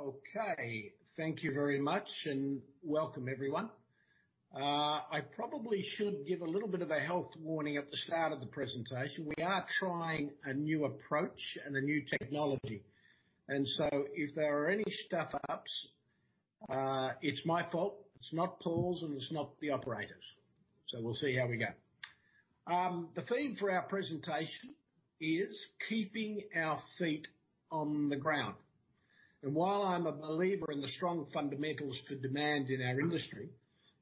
Okay. Thank you very much and welcome everyone. I probably should give a little bit of a health warning at the start of the presentation. We are trying a new approach and a new technology. If there are any stuff-ups, it's my fault. It's not Paul's and it's not the operators'. We'll see how we go. The theme for our presentation is keeping our feet on the ground. While I'm a believer in the strong fundamentals for demand in our industry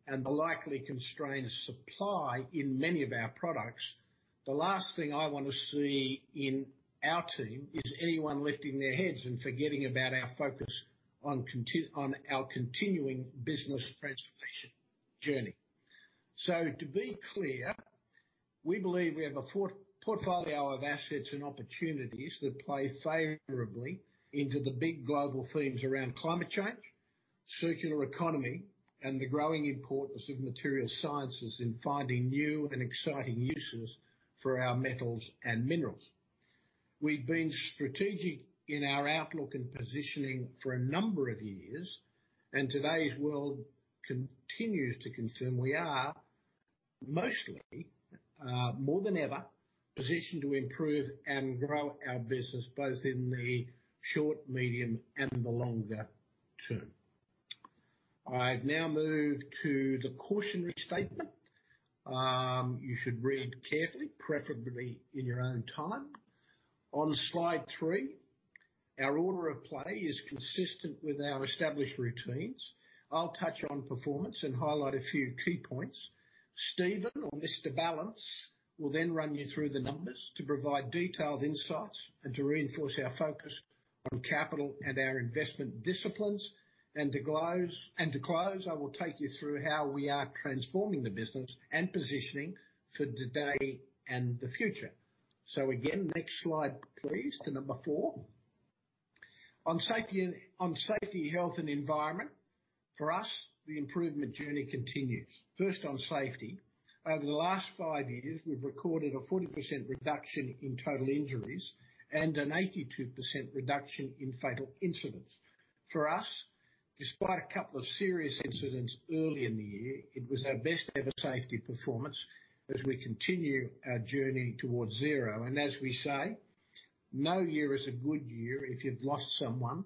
and the likely constrained supply in many of our products, the last thing I want to see in our team is anyone lifting their heads and forgetting about our focus on our continuing business transformation journey. To be clear, we believe we have a portfolio of assets and opportunities that play favorably into the big global themes around climate change, circular economy, and the growing importance of material sciences in finding new and exciting uses for our metals and minerals. We've been strategic in our outlook and positioning for a number of years, and today's world continues to confirm we are mostly, more than ever, positioned to improve and grow our business, both in the short, medium, and the longer term. I now move to the cautionary statement. You should read carefully, preferably in your own time. On slide three, our order of play is consistent with our established routines. I'll touch on performance and highlight a few key points. Stephen will run you through the numbers to provide detailed insights and to reinforce our focus on capital and our investment disciplines. To close, I will take you through how we are transforming the business and positioning for today and the future. Again, next slide please to number four. On Safety, Health, and Environment. For us, the improvement journey continues. First on Safety. Over the last five years, we've recorded a 40% reduction in total injuries and an 82% reduction in fatal incidents. For us, despite a couple of serious incidents early in the year, it was our best ever safety performance as we continue our journey towards zero. As we say, no year is a good year if you've lost someone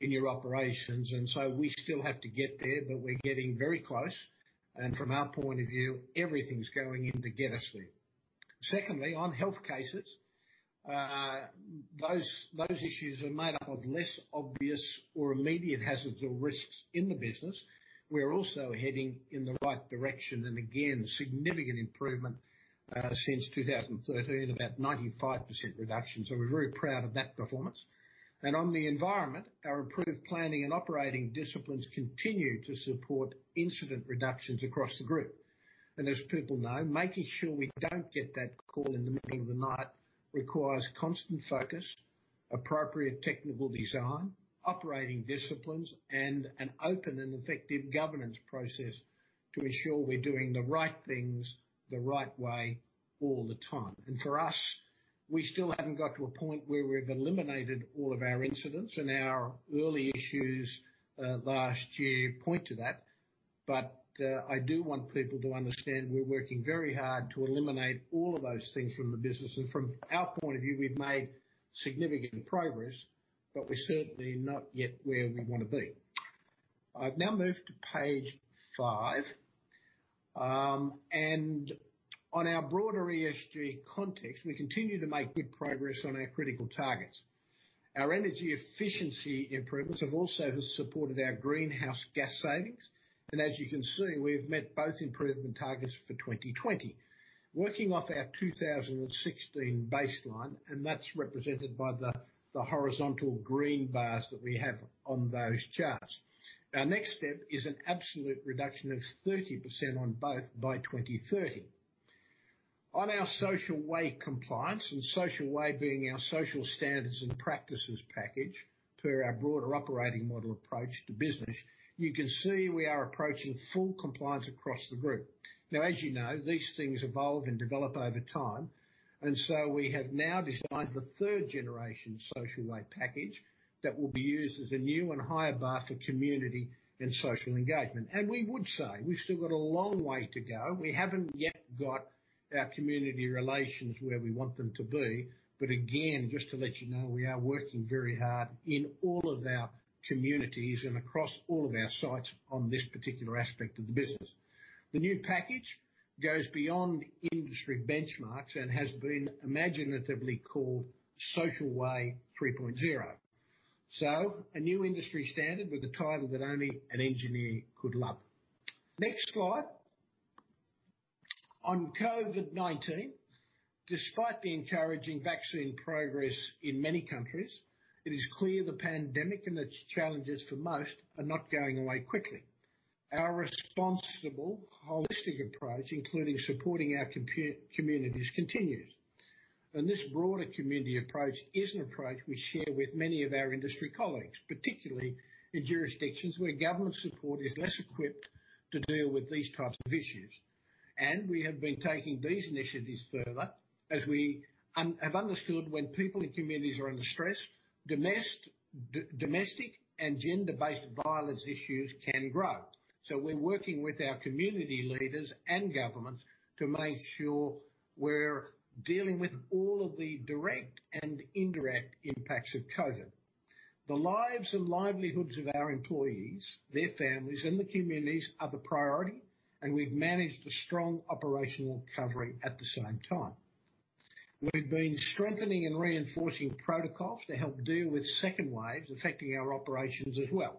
in your operations, we still have to get there, but we're getting very close, everything's going in to get us there. Secondly, on Health cases. Those issues are made up of less obvious or immediate hazards or risks in the business. We're also heading in the right direction, significant improvement, since 2013, about 95% reduction. We're very proud of that performance. On the environment, our improved planning and operating disciplines continue to support incident reductions across the Group. As people know, making sure we don't get that call in the middle of the night requires constant focus, appropriate technical design, operating disciplines, and an open and effective governance process to ensure we're doing the right things, the right way all the time. For us, we still haven't got to a point where we've eliminated all of our incidents and our early issues, last year points to that. I do want people to understand we're working very hard to eliminate all of those things from the business. From our point of view, we've made significant progress, but we're certainly not yet where we want to be. I now move to page five. On our broader ESG context, we continue to make good progress on our critical targets. Our energy efficiency improvements have also supported our greenhouse gas savings. As you can see, we've met both improvement targets for 2020. Working off our 2016 baseline, that's represented by the horizontal green bars that we have on those charts. Our next step is an absolute reduction of 30% on both by 2030. On our Social Way compliance and Social Way being our social standards and practices package per our broader Operating Model approach to business, you can see we are approaching full compliance across the Group. As you know, these things evolve and develop over time, we have now designed the third generation Social Way package that will be used as a new and higher bar for community and social engagement. We would say we've still got a long way to go. We haven't yet got our community relations where we want them to be. Again, just to let you know, we are working very hard in all of our communities and across all of our sites on this particular aspect of the business. The new package goes beyond industry benchmarks and has been imaginatively called Social Way 3.0. A new industry standard with a title that only an engineer could love. Next slide. On COVID-19, despite the encouraging vaccine progress in many countries, it is clear the pandemic and its challenges for most are not going away quickly. Our responsible, holistic approach, including supporting our communities, continues. This broader community approach is an approach we share with many of our industry colleagues, particularly in jurisdictions where government support is less equipped to deal with these types of issues. We have been taking these initiatives further as we have understood when people in communities are under stress, domestic and gender-based violence issues can grow. We're working with our community leaders and governments to make sure we're dealing with all of the direct and indirect impacts of COVID. The lives and livelihoods of our employees, their families, and the communities are the priority, and we've managed a strong operational recovery at the same time. We've been strengthening and reinforcing protocols to help deal with second waves affecting our operations as well.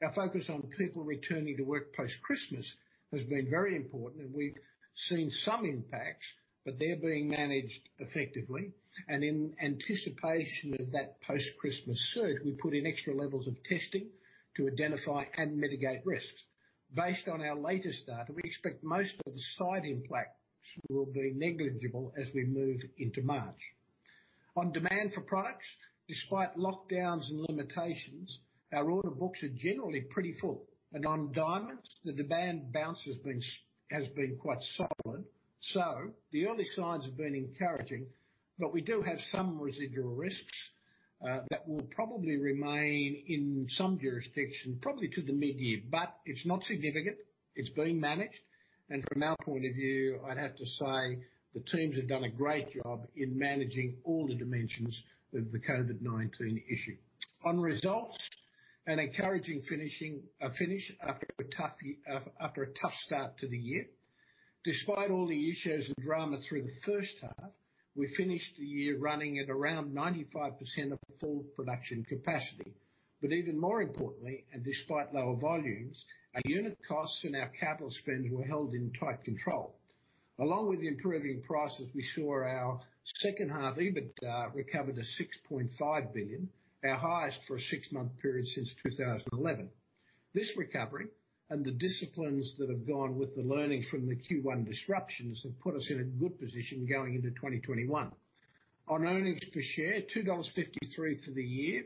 Our focus on people returning to work post-Christmas has been very important, and we've seen some impacts, but they're being managed effectively. In anticipation of that post-Christmas surge, we put in extra levels of testing to identify and mitigate risks. Based on our latest data, we expect most of the side impacts will be negligible as we move into March. On demand for products, despite lockdowns and limitations, our order books are generally pretty full. On diamonds, the demand bounce has been quite solid. The early signs have been encouraging, but we do have some residual risks that will probably remain in some jurisdictions, probably to the mid-year. It's not significant. It's being managed. From our point of view, I'd have to say the teams have done a great job in managing all the dimensions of the COVID-19 issue. On results, an encouraging finish after a tough start to the year. Despite all the issues and drama through the first half, we finished the year running at around 95% of full production capacity. Even more importantly, and despite lower volumes, our unit costs and our capital spends were held in tight control. Along with the improving prices, we saw our second half EBITDA recover to $6.5 billion, our highest for a six-month period since 2011. This recovery and the disciplines that have gone with the learnings from the Q1 disruptions have put us in a good position going into 2021. On earnings per share, $2.53 for the year,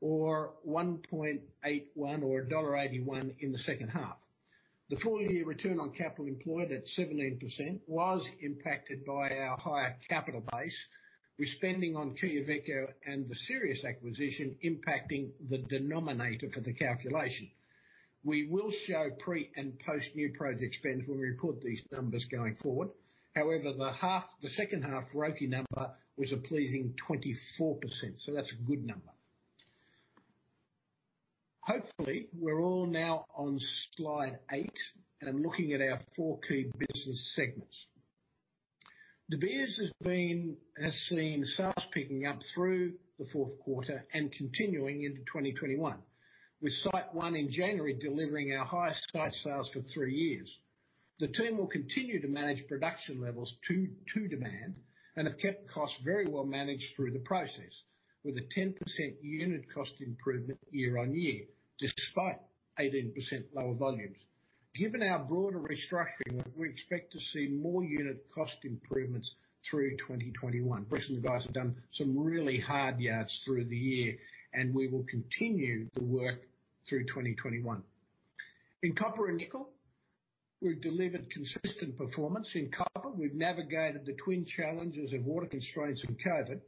or $1.81 in the second half. The full-year return on capital employed at 17% was impacted by our higher capital base, with spending on Quellaveco and The Sirius acquisition impacting the denominator for the calculation. We will show pre- and post-new project spends when we report these numbers going forward. However, the second half ROCE number was a pleasing 24%. That's a good number. Hopefully, we're all now on slide eight and looking at our four key business segments. De Beers has seen sales picking up through the fourth quarter and continuing into 2021, with site one in January delivering our highest site sales for three years. The team will continue to manage production levels to demand and have kept costs very well managed through the process, with a 10% unit cost improvement year-on-year, despite 18% lower volumes. Given our broader restructuring work, we expect to see more unit cost improvements through 2021. You guys have done some really hard yards through the year, and we will continue the work through 2021. In copper and nickel, we've delivered consistent performance. In copper, we've navigated the twin challenges of water constraints and COVID,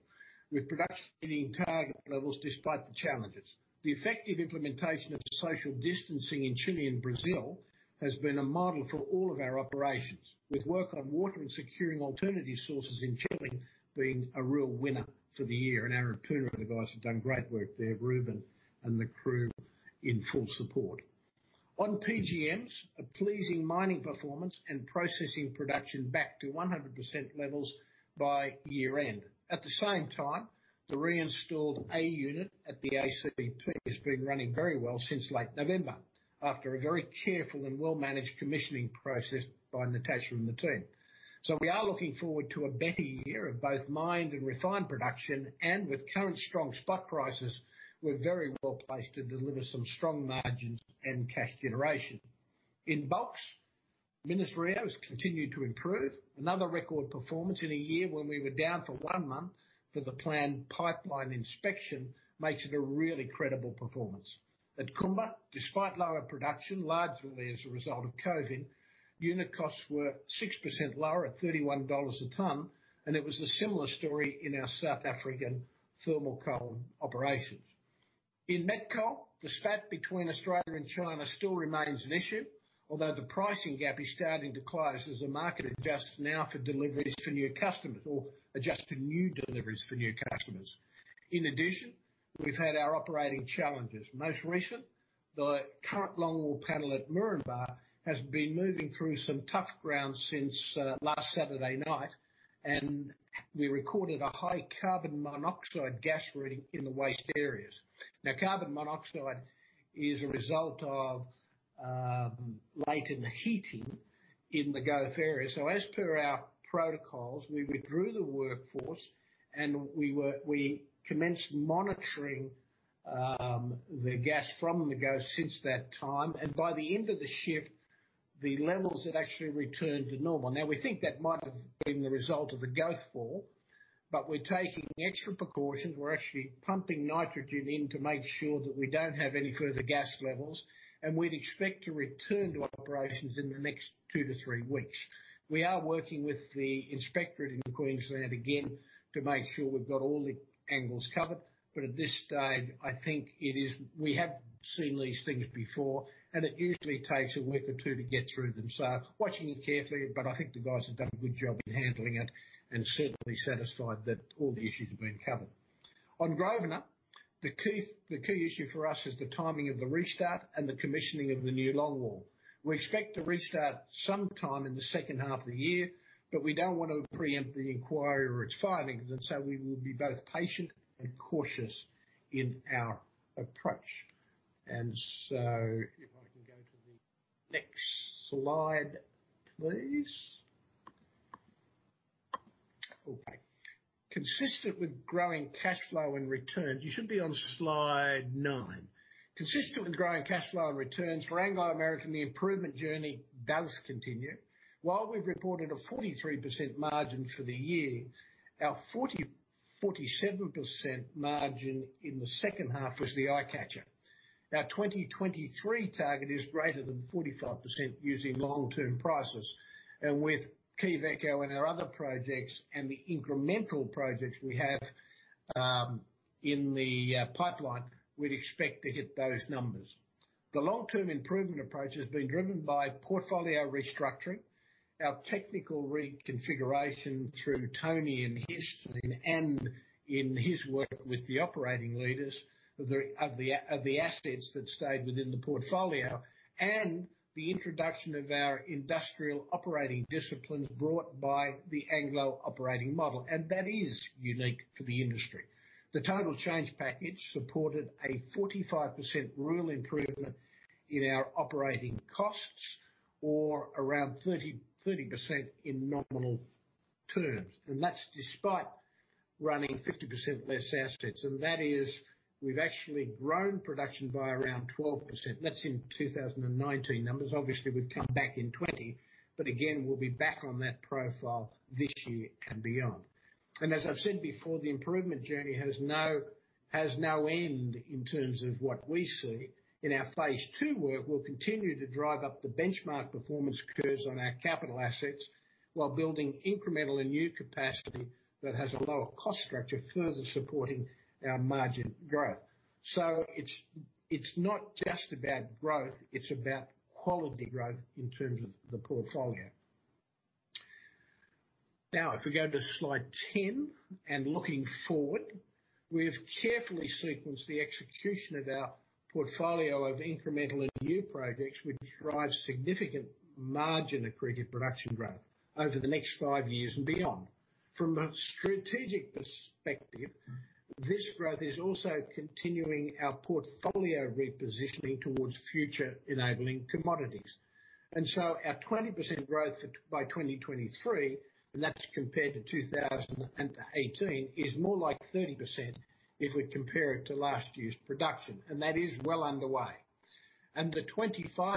with production meeting target levels despite the challenges. The effective implementation of social distancing in Chile and Brazil has been a model for all of our operations, with work on water and securing alternative sources in Chile being a real winner for the year. Our team and the guys have done great work there, Ruben and the crew in full support. On PGMs, a pleasing mining performance and processing production back to 100% levels by year-end. At the same time, the reinstalled A unit at the ACP has been running very well since late November, after a very careful and well-managed commissioning process by Natascha and the team. We are looking forward to a better year of both mined and refined production, and with current strong spot prices, we're very well-placed to deliver some strong margins and cash generation. In bulks, Minas-Rio has continued to improve. Another record performance in a year when we were down for one month for the planned pipeline inspection makes it a really credible performance. At Kumba, despite lower production, largely as a result of COVID, unit costs were 6% lower at $31 a tonne. It was a similar story in our South African thermal coal operations. In Met Coal, the spat between Australia and China still remains an issue, although the pricing gap is starting to close as the market adjusts now for deliveries to new customers or adjusts to new deliveries for new customers. In addition, we've had our operating challenges. Most recent, the current longwall panel at Moranbah has been moving through some tough ground since last Saturday night, and we recorded a high carbon monoxide gas reading in the waste areas. Now, carbon monoxide is a result of latent heating in the goaf area. As per our protocols, we withdrew the workforce, and we commenced monitoring the gas from the goaf since that time. By the end of the shift, the levels had actually returned to normal. We think that might have been the result of a goaf fall. We're taking extra precautions. We're actually pumping nitrogen in to make sure that we don't have any further gas levels, and we'd expect to return to operations in the next two to three weeks. We are working with the inspector in Queensland again to make sure we've got all the angles covered. At this stage, I think we have seen these things before, and it usually takes a week or two to get through them. Watching it carefully, but I think the guys have done a good job in handling it and certainly satisfied that all the issues have been covered. On Grosvenor, the key issue for us is the timing of the restart and the commissioning of the new longwall. We expect to restart sometime in the second half of the year, but we don't want to preempt the inquiry or its findings, and so we will be both patient and cautious in our approach. If I can go to the next slide, please. Okay. Consistent with growing cash flow and returns. You should be on slide nine. Consistent with growing cash flow and returns, for Anglo American, the improvement journey does continue. While we've reported a 43% margin for the year, our 47% margin in the second half was the eye-catcher. Our 2023 target is greater than 45% using long-term prices. With Quellaveco and our other projects and the incremental projects we have in the pipeline, we'd expect to hit those numbers. The long-term improvement approach has been driven by portfolio restructuring, our technical reconfiguration through Tony and his team, and in his work with the operating leaders of the assets that stayed within the portfolio. The introduction of our industrial operating disciplines brought by the Anglo operating model, and that is unique for the industry. The total change package supported a 45% real improvement in our operating costs or around 30% in nominal terms. That's despite running 50% less assets, and that is, we've actually grown production by around 12%. That's in 2019 numbers. Obviously, we've come back in 2020, again, we'll be back on that profile this year and beyond. As I've said before, the improvement journey has no end in terms of what we see. In our phase II work, we'll continue to drive up the benchmark performance curves on our capital assets while building incremental and new capacity that has a lower cost structure, further supporting our margin growth. It's not just about growth, it's about quality growth in terms of the portfolio. If we go to slide 10 and looking forward, we've carefully sequenced the execution of our portfolio of incremental and new projects, which drives significant margin accreted production growth over the next five years and beyond. From a strategic perspective, this growth is also continuing our portfolio repositioning towards future-enabling commodities. Our 20% growth by 2023, and that's compared to 2018, is more like 30% if we compare it to last year's production, and that is well underway. The 25%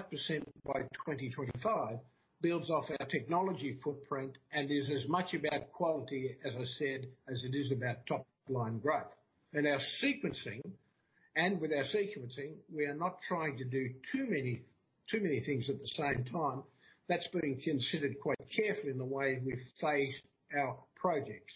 by 2025 builds off our technology footprint and is as much about quality, as I said, as it is about top-line growth. With our sequencing, we are not trying to do too many things at the same time. That's been considered quite carefully in the way we've phased our projects.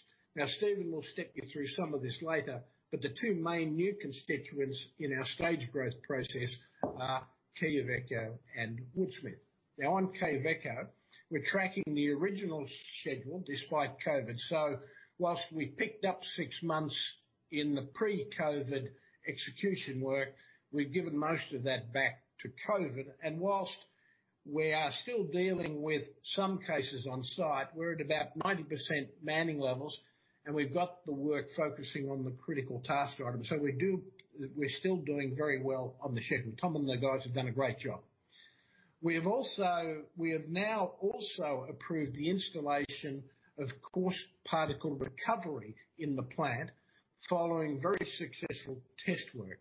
Stephen will step you through some of this later, but the two main new constituents in our stage growth process are Quellaveco and Woodsmith. On Quellaveco, we're tracking the original schedule despite COVID. Whilst we picked up six months in the pre-COVID execution work, we've given most of that back to COVID. Whilst we are still dealing with some cases on site, we're at about 90% manning levels, and we've got the work focusing on the critical task items. We're still doing very well on the schedule. Tom and the guys have done a great job. We have now also approved the installation of Coarse Particle Recovery in the plant following very successful test work.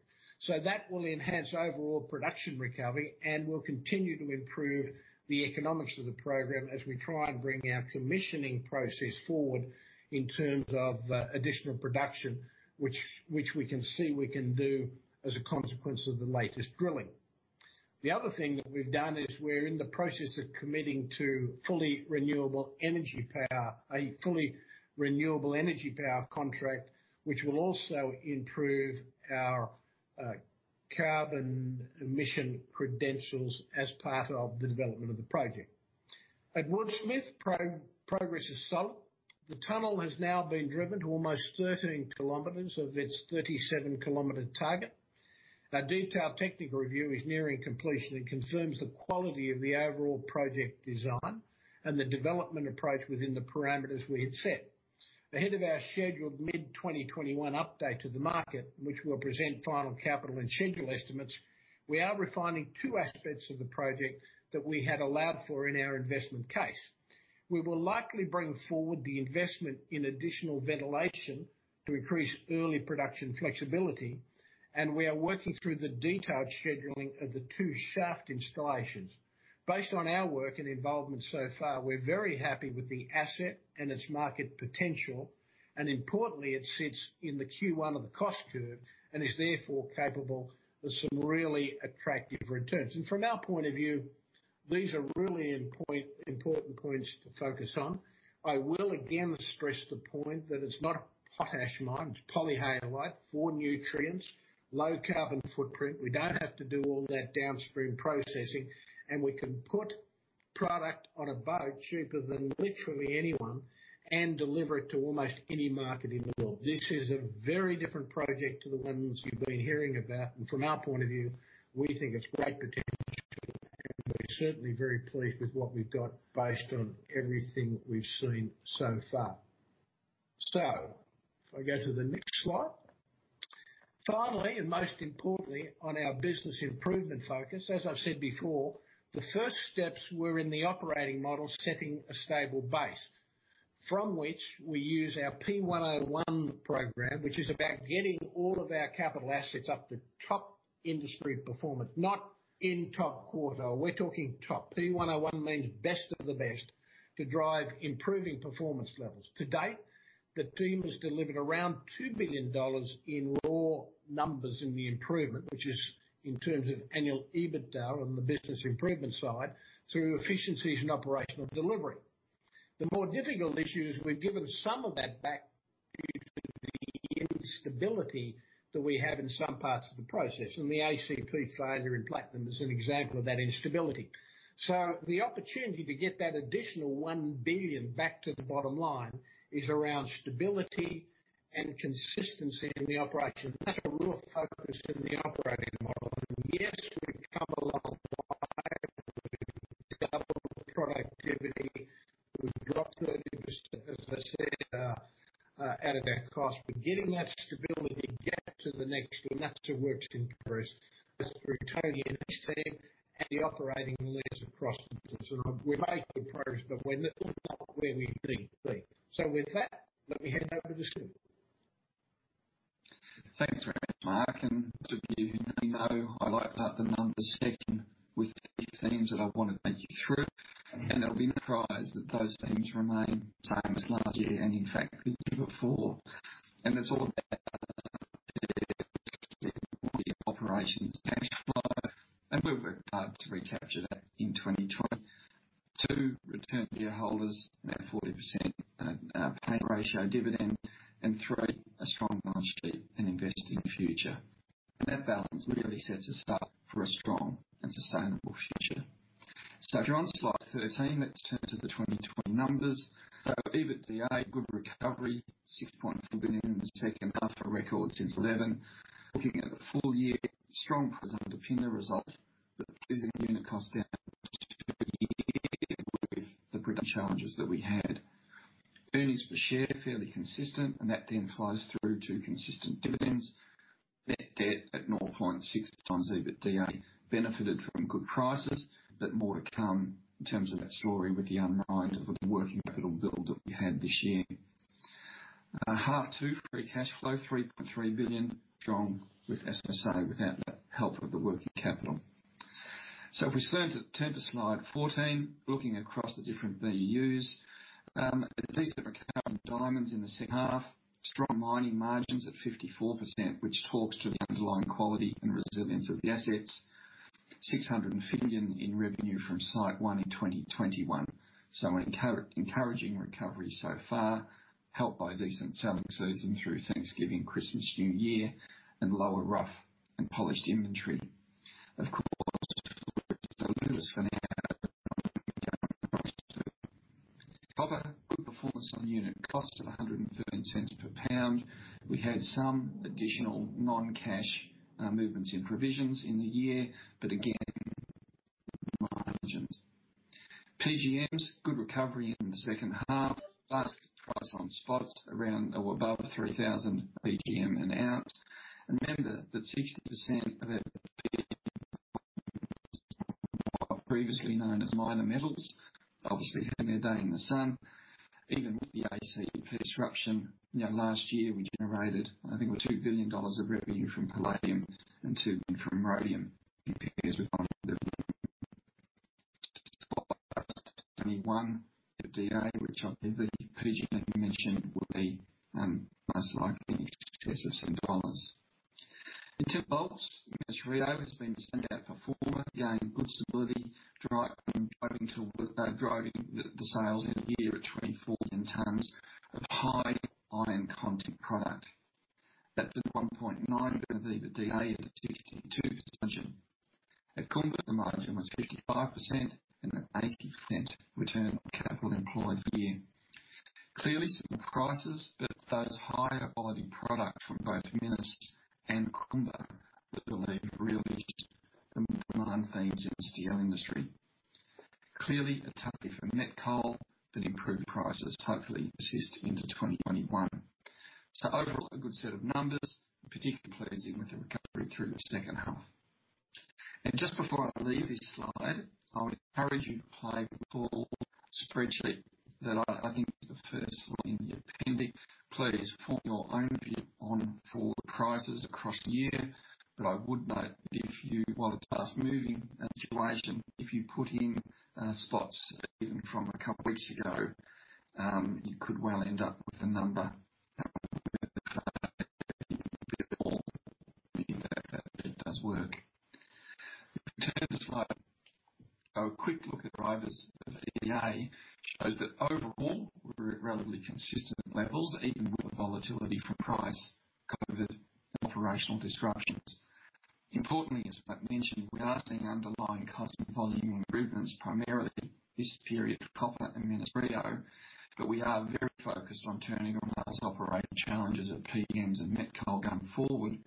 That will enhance overall production recovery and will continue to improve the economics of the program as we try and bring our commissioning process forward in terms of additional production, which we can see we can do as a consequence of the latest drilling. The other thing that we've done is we're in the process of committing to a fully renewable energy power contract, which will also improve our carbon emission credentials as part of the development of the project. At Woodsmith, progress is solid. The tunnel has now been driven to almost 13 km of its 37 km target. Our detailed technical review is nearing completion and confirms the quality of the overall project design and the development approach within the parameters we had set. Ahead of our scheduled mid-2021 update to the market, which will present final capital and schedule estimates, we are refining two aspects of the project that we had allowed for in our investment case. We will likely bring forward the investment in additional ventilation to increase early production flexibility. We are working through the detailed scheduling of the two shaft installations. Based on our work and involvement so far, we're very happy with the asset and its market potential. Importantly, it sits in the Q1 of the cost curve and is therefore capable of some really attractive returns. From our point of view. These are really important points to focus on. I will again stress the point that it's not a potash mine, it's polyhalite. Four nutrients, low carbon footprint. We don't have to do all that downstream processing, and we can put product on a boat cheaper than literally anyone and deliver it to almost any market in the world. This is a very different project to the ones you've been hearing about, and from our point of view, we think it's great potential. We're certainly very pleased with what we've got based on everything we've seen so far. If I go to the next slide. Finally, and most importantly on our business improvement focus, as I've said before, the first steps were in the operating model, setting a stable base from which we use our P101 program, which is about getting all of our capital assets up to top industry performance, not in top quarter. We're talking top. P101 means best of the best to drive improving performance levels. To date, the team has delivered around $2 billion in raw numbers in the improvement, which is in terms of annual EBITDA on the business improvement side through efficiencies in operational delivery. The more difficult issue is we've given some of that back due to the instability that we have in some parts of the process, and the ACP failure in platinum is an example of that instability. The opportunity to get that additional $1 billion back to the bottom line is around stability and consistency in the operation. That's a real focus in the operating model. Yes, we've come a long way. We've doubled productivity. We've dropped 30%, as I said, out of our cost. Getting that stability gap to the next one, that's a work in progress. That's through Tony and his team and the operating lens across the business. We're making progress, but we're not where we need to be. With that, let me hand over to Stephen. Thanks very much, Mark. Those of you who know me know I like to start the numbers section with the themes that I want to take you through. You'll be surprised that those themes remain the same as last year and in fact the year before. It's all about operations, cash flow, and we've worked hard to recapture that in 2020. Two, return to your holders, about 40% payout ratio dividend. Three, a strong balance sheet and investing in the future. That balance really sets us up for a strong and sustainable future. If you're on slide 13, let's turn to the 2020 numbers. EBITDA, good recovery, $6.4 billion in the second half, a record since 2011. Looking at the full year, strong performance underpinning the result, pleasing unit cost down for the year with the broader challenges that we had. Earnings per share fairly consistent and that then flows through to consistent dividends. Net debt at 0.6x EBITDA benefited from good prices, but more to come in terms of that story with the unwind of the working capital build that we had this year. Half two free cash flow $3.3 billion, strong without the help of the working capital. If we turn to slide 14, looking across the different BUs. Decent recovery in diamonds in the second half. Strong mining margins at 54%, which talks to the underlying quality and resilience of the assets. $600 million in revenue from site one in 2021. Encouraging recovery so far, helped by decent selling season through Thanksgiving, Christmas, New Year and lower rough and polished inventory. Of course, good performance on unit cost of $1.13 per pound. We had some additional non-cash movements in provisions in the year. Again, margins. PGMs, good recovery in the second half. Last price on spots around or above $3,000 PGM an ounce. Remember that 60% of that PGM, previously known as minor metals, obviously having their day in the sun, even with the ACP disruption. Last year, we generated, I think it was $2 billion of revenue from palladium and $2 billion from rhodium in pairs, [inaudible] which I'll give the PGM, as you mentioned, will be most likely in excess of $6 billion. In terms of bulks, Minas-Rio has been the standout performer. Again, good stability, driving the sales in the year at 24 million tons of high iron content product. That's a $1.9 billion EBITDA of 62% margin. At Kumba, the margin was 55% and an 80% return on capital employed year. Clearly some prices, but those higher quality product from both Minas-Rio and Kumba that will lead real issues and demand themes in the steel industry. Clearly a tough year for Met Coal, but improved prices hopefully persist into 2021. Overall, a good set of numbers, particularly pleasing with the recovery through the second half. Just before I leave this slide, I would encourage you to play with the full spreadsheet that I think is the first slide in the appendix. Please form your own view on forward prices across the year. I would note, while it's a fast-moving situation, if you put in spots even from a couple of weeks ago, you could well end up with a number [inaudible] does work. If we turn to the slide, a quick look at drivers of EBITDA shows that overall, we're at relatively consistent levels, even with the volatility from price, COVID, and operational disruptions. Importantly, as Mark mentioned, we are seeing underlying constant volume improvements, primarily this period for Copper and Minas-Rio, but we are very focused on turning around those operating challenges at PGMs and Met Coal going forward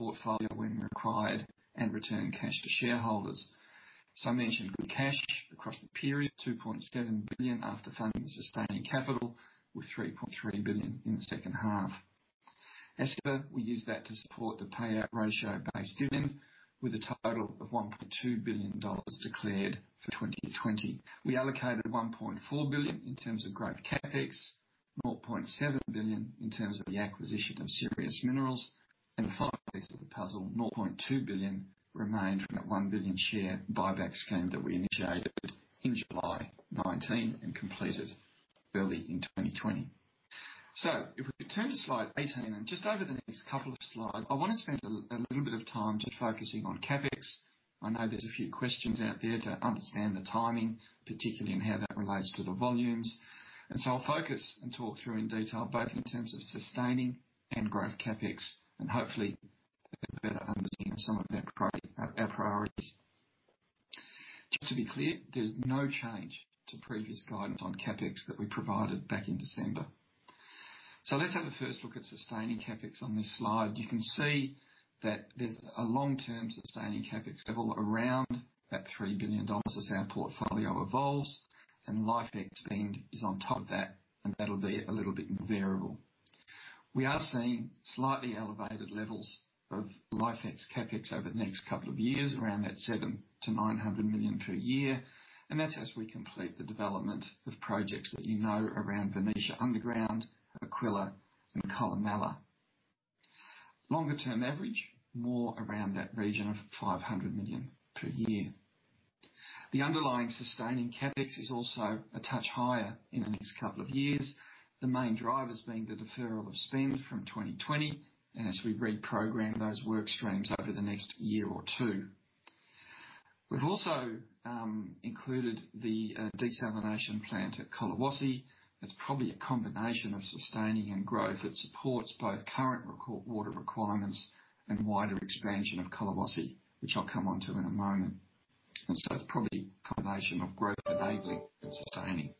portfolio when required, and return cash to shareholders. I mentioned good cash across the period, $2.7 billion after funding sustaining capital with $3.3 billion in the second half. ESG, we use that to support the payout ratio-based dividend with a total of $1.2 billion declared for 2020. We allocated $1.4 billion in terms of growth CapEx, $0.7 billion in terms of the acquisition of Sirius Minerals. The final piece of the puzzle, $0.2 billion remained from that $1 billion share buyback scheme that we initiated in July 2019 and completed early in 2020. If we turn to slide 18, just over the next couple of slides, I want to spend a little bit of time just focusing on CapEx. I know there's a few questions out there to understand the timing, particularly in how that relates to the volumes. I'll focus and talk through in detail, both in terms of sustaining and growth CapEx. Hopefully get a better understanding of some of our priorities. Just to be clear, there's no change to previous guidance on CapEx that we provided back in December. Let's have a first look at sustaining CapEx on this slide. You can see that there's a long-term sustaining CapEx level around that $3 billion as our portfolio evolves, and life ex spend is on top of that, and that'll be a little bit more variable. We are seeing slightly elevated levels of life ex CapEx over the next couple of years, around that $700 million-$900 million per year. That's as we complete the development of projects that you know around Venetia Underground, Aquila, and Kolomela. Longer-term average, more around that region of $500 million per year. The underlying sustaining CapEx is also a touch higher in the next couple of years. The main drivers being the deferral of spend from 2020, and as we reprogram those work streams over the next year or two. We've also included the desalination plant at Collahuasi. That's probably a combination of sustaining and growth that supports both current water requirements and wider expansion of Collahuasi, which I'll come onto in a moment. Probably a combination of growth enabling and sustaining.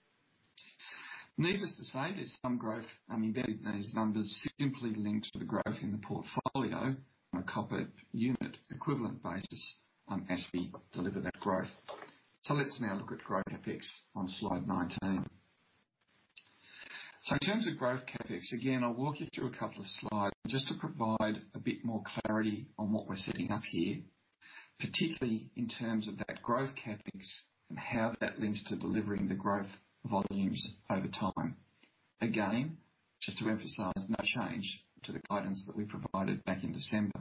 Needless to say, there's some growth embedded in these numbers simply linked to the growth in the portfolio on a copper unit equivalent basis as we deliver that growth. Let's now look at growth CapEx on slide 19. In terms of growth CapEx, again, I'll walk you through a couple of slides just to provide a bit more clarity on what we're setting up here, particularly in terms of that growth CapEx and how that links to delivering the growth volumes over time. Again, just to emphasize, no change to the guidance that we provided back in December.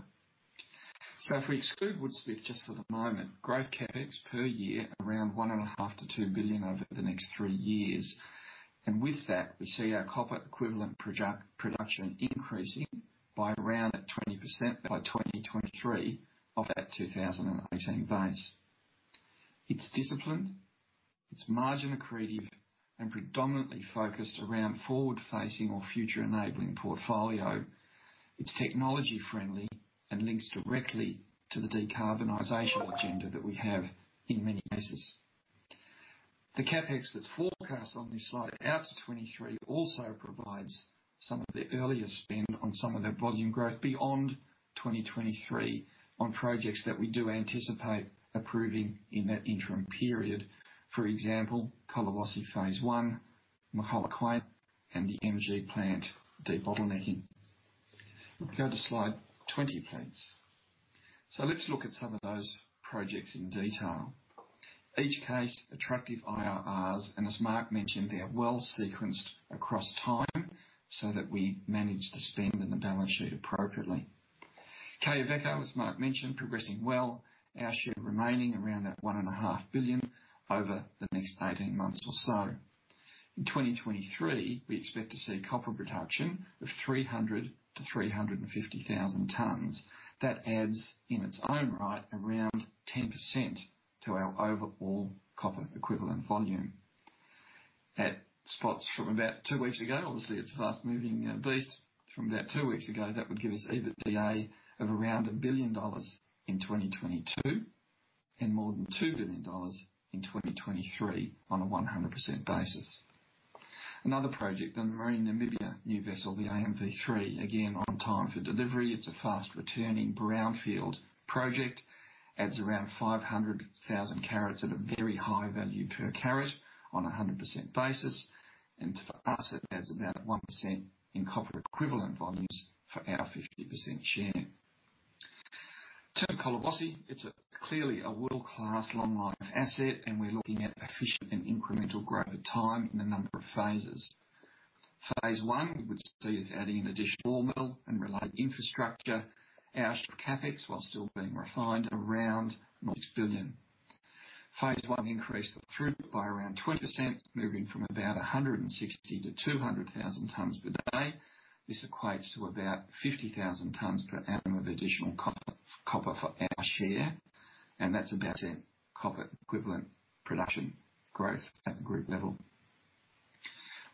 If we exclude Woodsmith just for the moment, growth CapEx per year around $1.5 billion to$2 billion over the next three years. With that, we see our copper equivalent production increasing by around 20% by 2023 of that 2018 base. It's disciplined, it's margin accretive, and predominantly focused around forward-facing or future-enabling portfolio. It's technology-friendly and links directly to the decarbonization agenda that we have in many places. The CapEx that's forecast on this slide out to 2023 also provides some of the earlier spend on some of that volume growth beyond 2023 on projects that we do anticipate approving in that interim period. For example, Collahuasi phase I, Mogalakwena, and the Moranbah-Grosvenor Plant debottlenecking. If we go to slide 20, please. Let's look at some of those projects in detail. Each case, attractive IRRs. As Mark mentioned, they are well sequenced across time so that we manage the spend and the balance sheet appropriately. Quellaveco, as Mark mentioned, progressing well. Our share remaining around that $1.5 billion over the next 18 months or so. In 2023, we expect to see copper production of 300,000 to 350,000 tons. That adds, in its own right, around 10% to our overall copper equivalent volume. At spots from about two weeks ago, obviously it's fast-moving, at least from about two weeks ago, that would give us EBITDA of around $1 billion in 2022 and more than $2 billion in 2023 on a 100% basis. Another project, the Debmarine Namibia new vessel, the AMV3, again, on time for delivery. It's a fast-returning brownfield project, adds around 500,000 carats at a very high value per carat on 100% basis. For us, it adds about 1% in copper equivalent volumes for our 50% share. Turn to Collahuasi. It's clearly a world-class long life asset, and we're looking at efficient and incremental growth over time in a number of phases. Phase I we would see as adding an additional ore mill and related infrastructure. Our CapEx, while still being refined, around $0.6 billion. Phase I increased the throughput by around 20%, moving from about 160,000 to 200,000 tons per day. This equates to about 50,000 tons per annum of additional copper for our share, and that's about 2% copper equivalent production growth at the group level.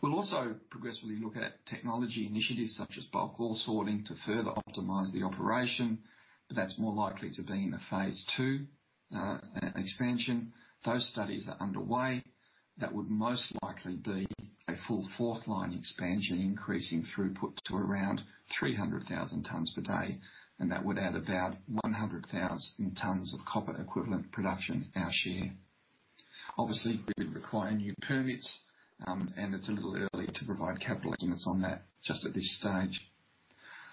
We'll also progressively look at technology initiatives such as bulk ore sorting to further optimize the operation, but that's more likely to be in the Phase II expansion. Those studies are underway. That would most likely be a full fourth line expansion, increasing throughput to around 300,000 tons per day, and that would add about 100,000 tons of copper equivalent production our share. Obviously, it would require new permits, and it's a little early to provide capital estimates on that just at this stage.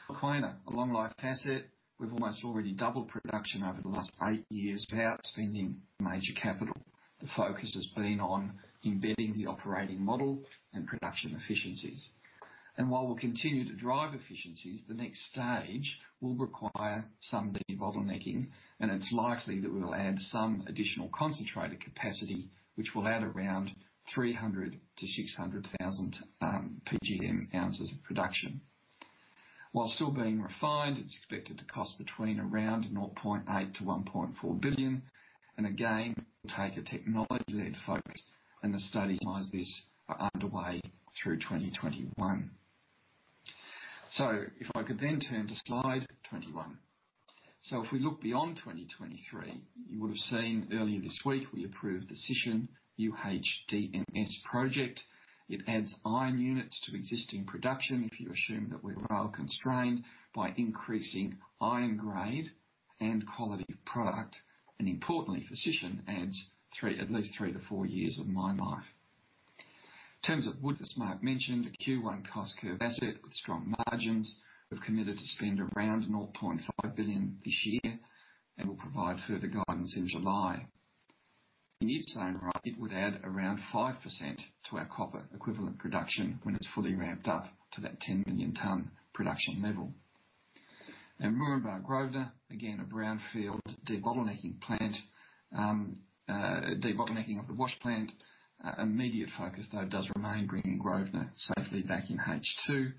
Mogalakwena, a long life asset. We've almost already doubled production over the last eight years without spending major capital. The focus has been on embedding the operating model and production efficiencies. While we'll continue to drive efficiencies, the next stage will require some debottlenecking, and it's likely that we'll add some additional concentrated capacity, which will add around 300,000 to 600,000 PGM ounces of production. While still being refined, it's expected to cost between around $0.8 billion-$1.4 billion, and again, will take a technology-led focus, and the study towards this are underway through 2021. If I could then turn to slide 21. If we look beyond 2023, you would've seen earlier this week we approved the Sishen UHDMS project. It adds iron units to existing production if you assume that we're rail-constrained by increasing iron grade and quality of product. Importantly, Sishen adds at least three to four years of mine life. In terms of Woodsmith, as Mark mentioned, a Q1 cost curve asset with strong margins. We've committed to spend around $0.5 billion this year and will provide further guidance in July. In its own right, it would add around 5% to our copper equivalent production when it's fully ramped up to that 10 million ton production level. Moranbah-Grosvenor, again, a brownfield debottlenecking of the wash plant. Immediate focus, though, does remain bringing Grosvenor safely back in H2,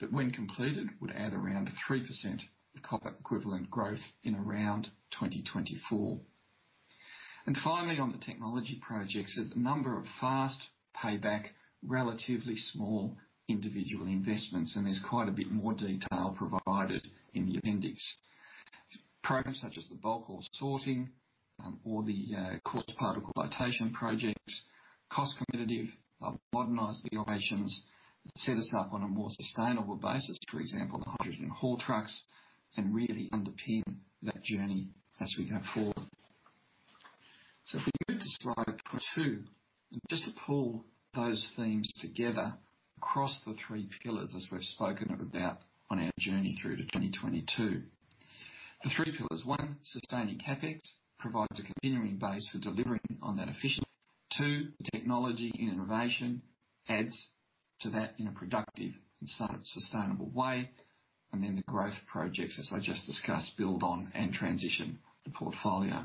but when completed, would add around 3% of copper equivalent growth in around 2024. Finally, on the technology projects, there's a number of fast payback, relatively small individual investments, and there's quite a bit more detail provided in the appendix. Programs such as the bulk ore sorting or the coarse particle flotation projects, cost competitive, help modernize the operations, set us up on a more sustainable basis. For example, the hydrogen haul trucks can really underpin that journey as we go forward. If we move to slide 22, and just to pull those themes together across the three pillars as we've spoken about on our journey through to 2022. The three pillars. One, sustaining CapEx provides a continuing base for delivering on that efficiency. Two, technology and innovation adds to that in a productive and sustainable way. The growth projects, as I just discussed, build on and transition the portfolio.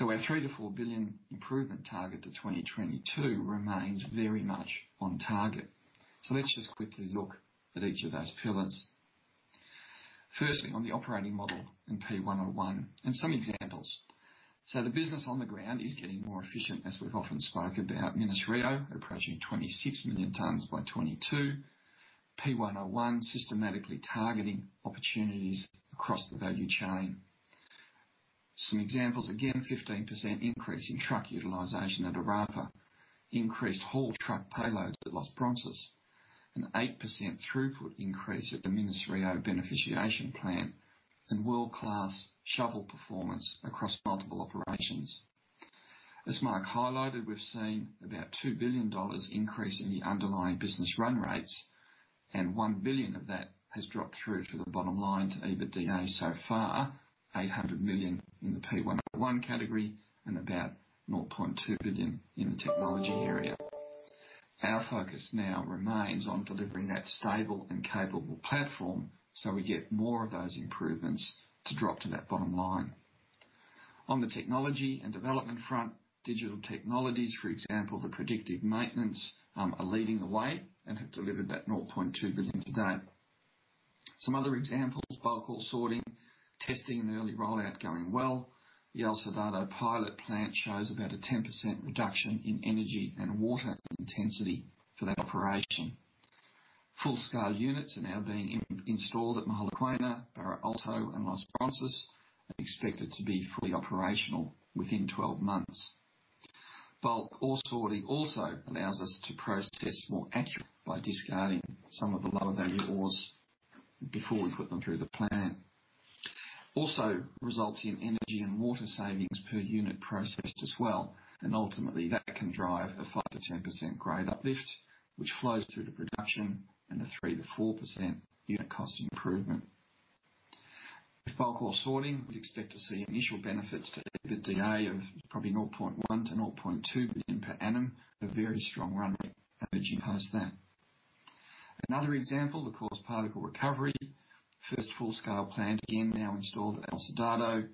Our $3 billion-$4 billion improvement target to 2022 remains very much on target. Let's just quickly look at each of those pillars. Firstly, on the operating model and P101, and some examples. The business on the ground is getting more efficient, as we've often spoken about. Minas-Rio approaching 26 million tons by 2022. P101 systematically targeting opportunities across the value chain. Some examples, again, 15% increase in truck utilization at Orapa, increased haul truck payloads at Los Bronces, an 8% throughput increase at the Minas-Rio beneficiation plant, and world-class shovel performance across multiple operations. As Mark highlighted, we've seen about $2 billion increase in the underlying business run rates, and $1 billion of that has dropped through to the bottom line to EBITDA so far. $800 million in the P101 category and about $0.2 billion in the technology area. Our focus now remains on delivering that stable and capable platform so we get more of those improvements to drop to that bottom line. On the technology and development front, digital technologies, for example, the predictive maintenance, are leading the way and have delivered that $0.2 billion to date. Some other examples, bulk ore sorting, testing and early rollout going well. The El Soldado pilot plant shows about a 10% reduction in energy and water intensity for that operation. Full-scale units are now being installed at Mogalakwena, Barro Alto, and Los Bronces, and expected to be fully operational within 12 months. Bulk ore sorting also allows us to process more accurate by discarding some of the lower value ores before we put them through the plant. Results in energy and water savings per unit processed as well, ultimately that can drive a 5%-10% grade uplift, which flows through to production and a 3%-4% unit cost improvement. With Bulk Ore Sorting, we expect to see initial benefits to EBITDA of probably $0.1 billion-$0.2 billion per annum, with very strong runway averaging post that. Another example, the Coarse Particle Recovery. First full-scale plant, again, now installed at El Soldado.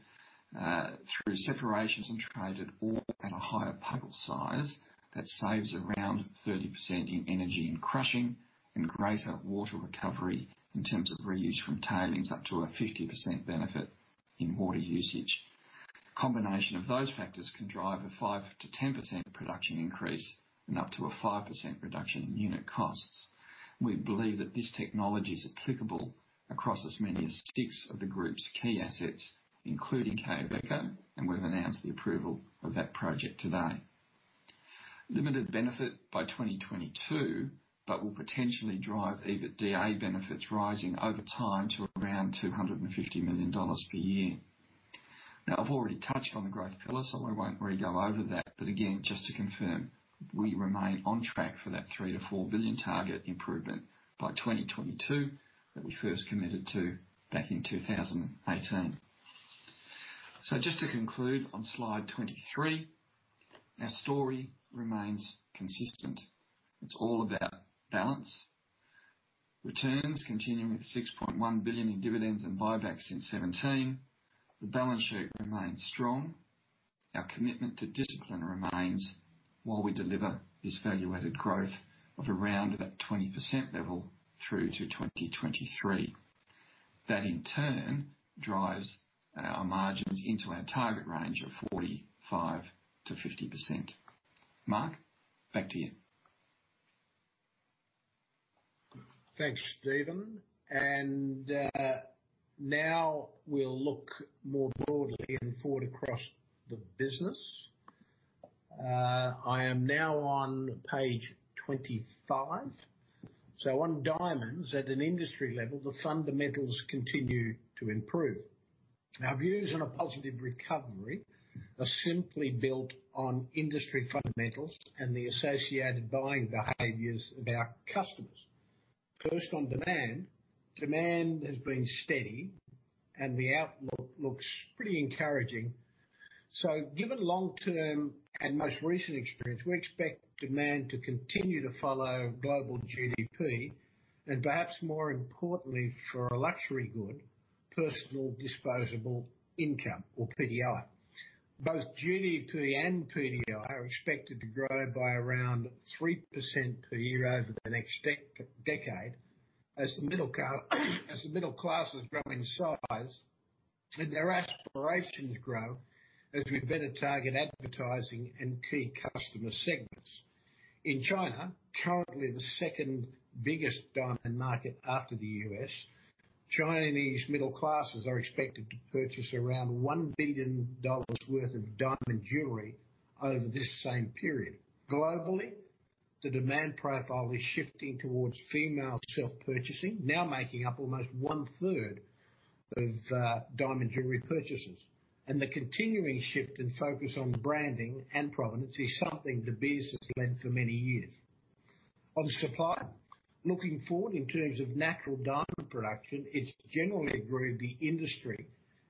Through separation, concentrated ore at a higher particle size. That saves around 30% in energy and crushing and greater water recovery in terms of reuse from tailings up to a 50% benefit in water usage. Combination of those factors can drive a 5%-10% production increase and up to a 5% reduction in unit costs. We believe that this technology is applicable across as many as six of the Group's key assets, including Quellaveco, and we've announced the approval of that project today. Limited benefit by 2022, but will potentially drive EBITDA benefits rising over time to around $250 million per year. I've already touched on the growth pillar. I won't re-go over that. Again, just to confirm, we remain on track for that $3 billion-$4 billion target improvement by 2022 that we first committed to back in 2018. Just to conclude on slide 23, our story remains consistent. It's all about balance. Returns continuing with $6.1 billion in dividends and buybacks since 2017. The balance sheet remains strong. Our commitment to discipline remains while we deliver this value-added growth of around that 20% level through to 2023. That, in turn, drives our margins into our target range of 45%-50%. Mark, back to you. Thanks, Stephen. Now we'll look more broadly and forward across the business. I am now on page 25. On diamonds, at an industry level, the fundamentals continue to improve. Our views on a positive recovery are simply built on industry fundamentals and the associated buying behaviors of our customers. First, on demand. Demand has been steady and the outlook looks pretty encouraging. Given long-term and most recent experience, we expect demand to continue to follow global GDP and perhaps more importantly for a luxury good, personal disposable income or PDI. Both GDP and PDI are expected to grow by around 3% per year over the next decade, as the middle class is growing in size and their aspirations grow as we better target advertising and key customer segments. In China, currently the second-biggest diamond market after the U.S., Chinese middle classes are expected to purchase around $1 billion worth of diamond jewelry over this same period. Globally, the demand profile is shifting towards female self-purchasing, now making up almost one-third of diamond jewelry purchases. The continuing shift in focus on branding and provenance is something De Beers has led for many years. On supply. Looking forward in terms of natural diamond production, it's generally agreed the industry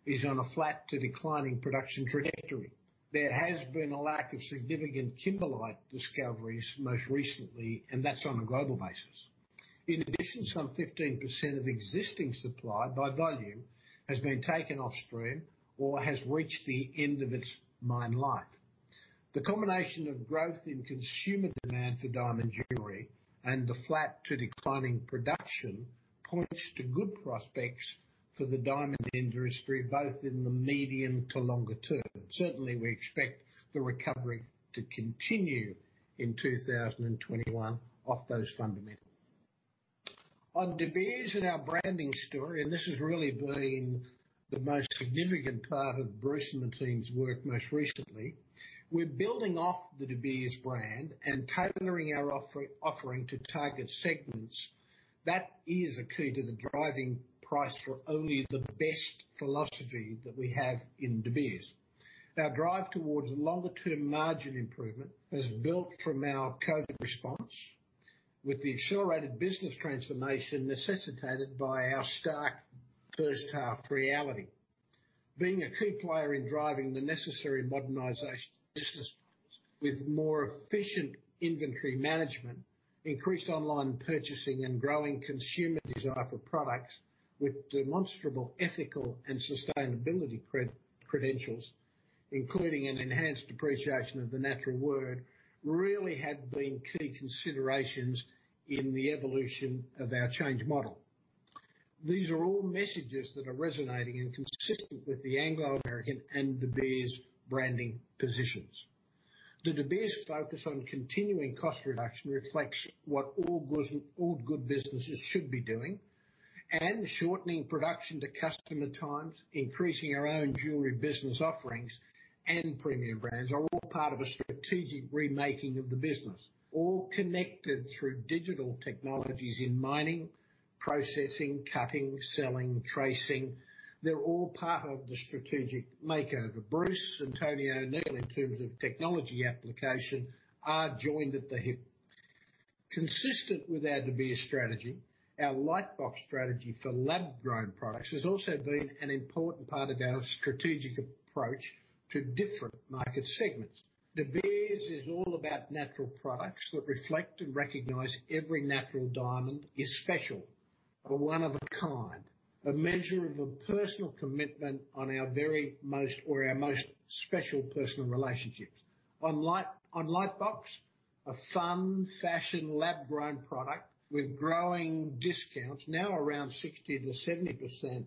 is on a flat to declining production trajectory. There has been a lack of significant kimberlite discoveries most recently, and that's on a global basis. In addition, some 15% of existing supply by volume has been taken off stream or has reached the end of its mine life. The combination of growth in consumer demand for diamond jewelry and the flat to declining production points to good prospects for the diamond industry both in the medium to longer term. Certainly, we expect the recovery to continue in 2021 off those fundamentals. On De Beers and our branding story, this has really been the most significant part of Bruce and the team's work most recently. We're building off the De Beers brand and tailoring our offering to target segments. That is a key to the driving price for only the best philosophy that we have in De Beers. Our drive towards longer-term margin improvement has built from our COVID response with the accelerated business transformation necessitated by our stark first half reality. Being a key player in driving the necessary modernization of business with more efficient inventory management, increased online purchasing, and growing consumer desire for products with demonstrable ethical and sustainability credentials, including an enhanced appreciation of the natural world, really have been key considerations in the evolution of our change model. These are all messages that are resonating and consistent with the Anglo American and De Beers branding positions. The De Beers focus on continuing cost reduction reflects what all good businesses should be doing. Shortening production to customer times, increasing our own jewelry business offerings and premium brands are all part of a strategic remaking of the business, all connected through digital technologies in mining, processing, cutting, selling, tracing. They're all part of the strategic makeover. Bruce Cleaver and Tony O'Neill, in terms of technology application, are joined at the hip. Consistent with our De Beers strategy, our Lightbox strategy for lab-grown products has also been an important part of our strategic approach to different market segments. De Beers is all about natural products that reflect and recognize every natural diamond is special, a one of a kind, a measure of a personal commitment on our very most or our most special personal relationships. On Lightbox, a fun fashion lab-grown product with growing discounts now around 60%-70%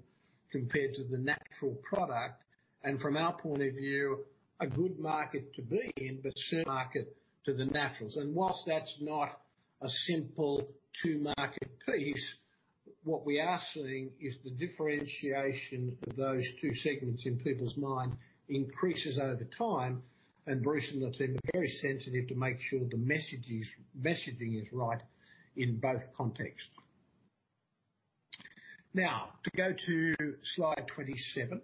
compared to the natural product. From our point of view, a good market to be in, but share market to the naturals. Whilst that's not a simple two-market piece, what we are seeing is the differentiation of those two segments in people's mind increases over time. Bruce and the team are very sensitive to make sure the messaging is right in both contexts. Now, to go to slide 27.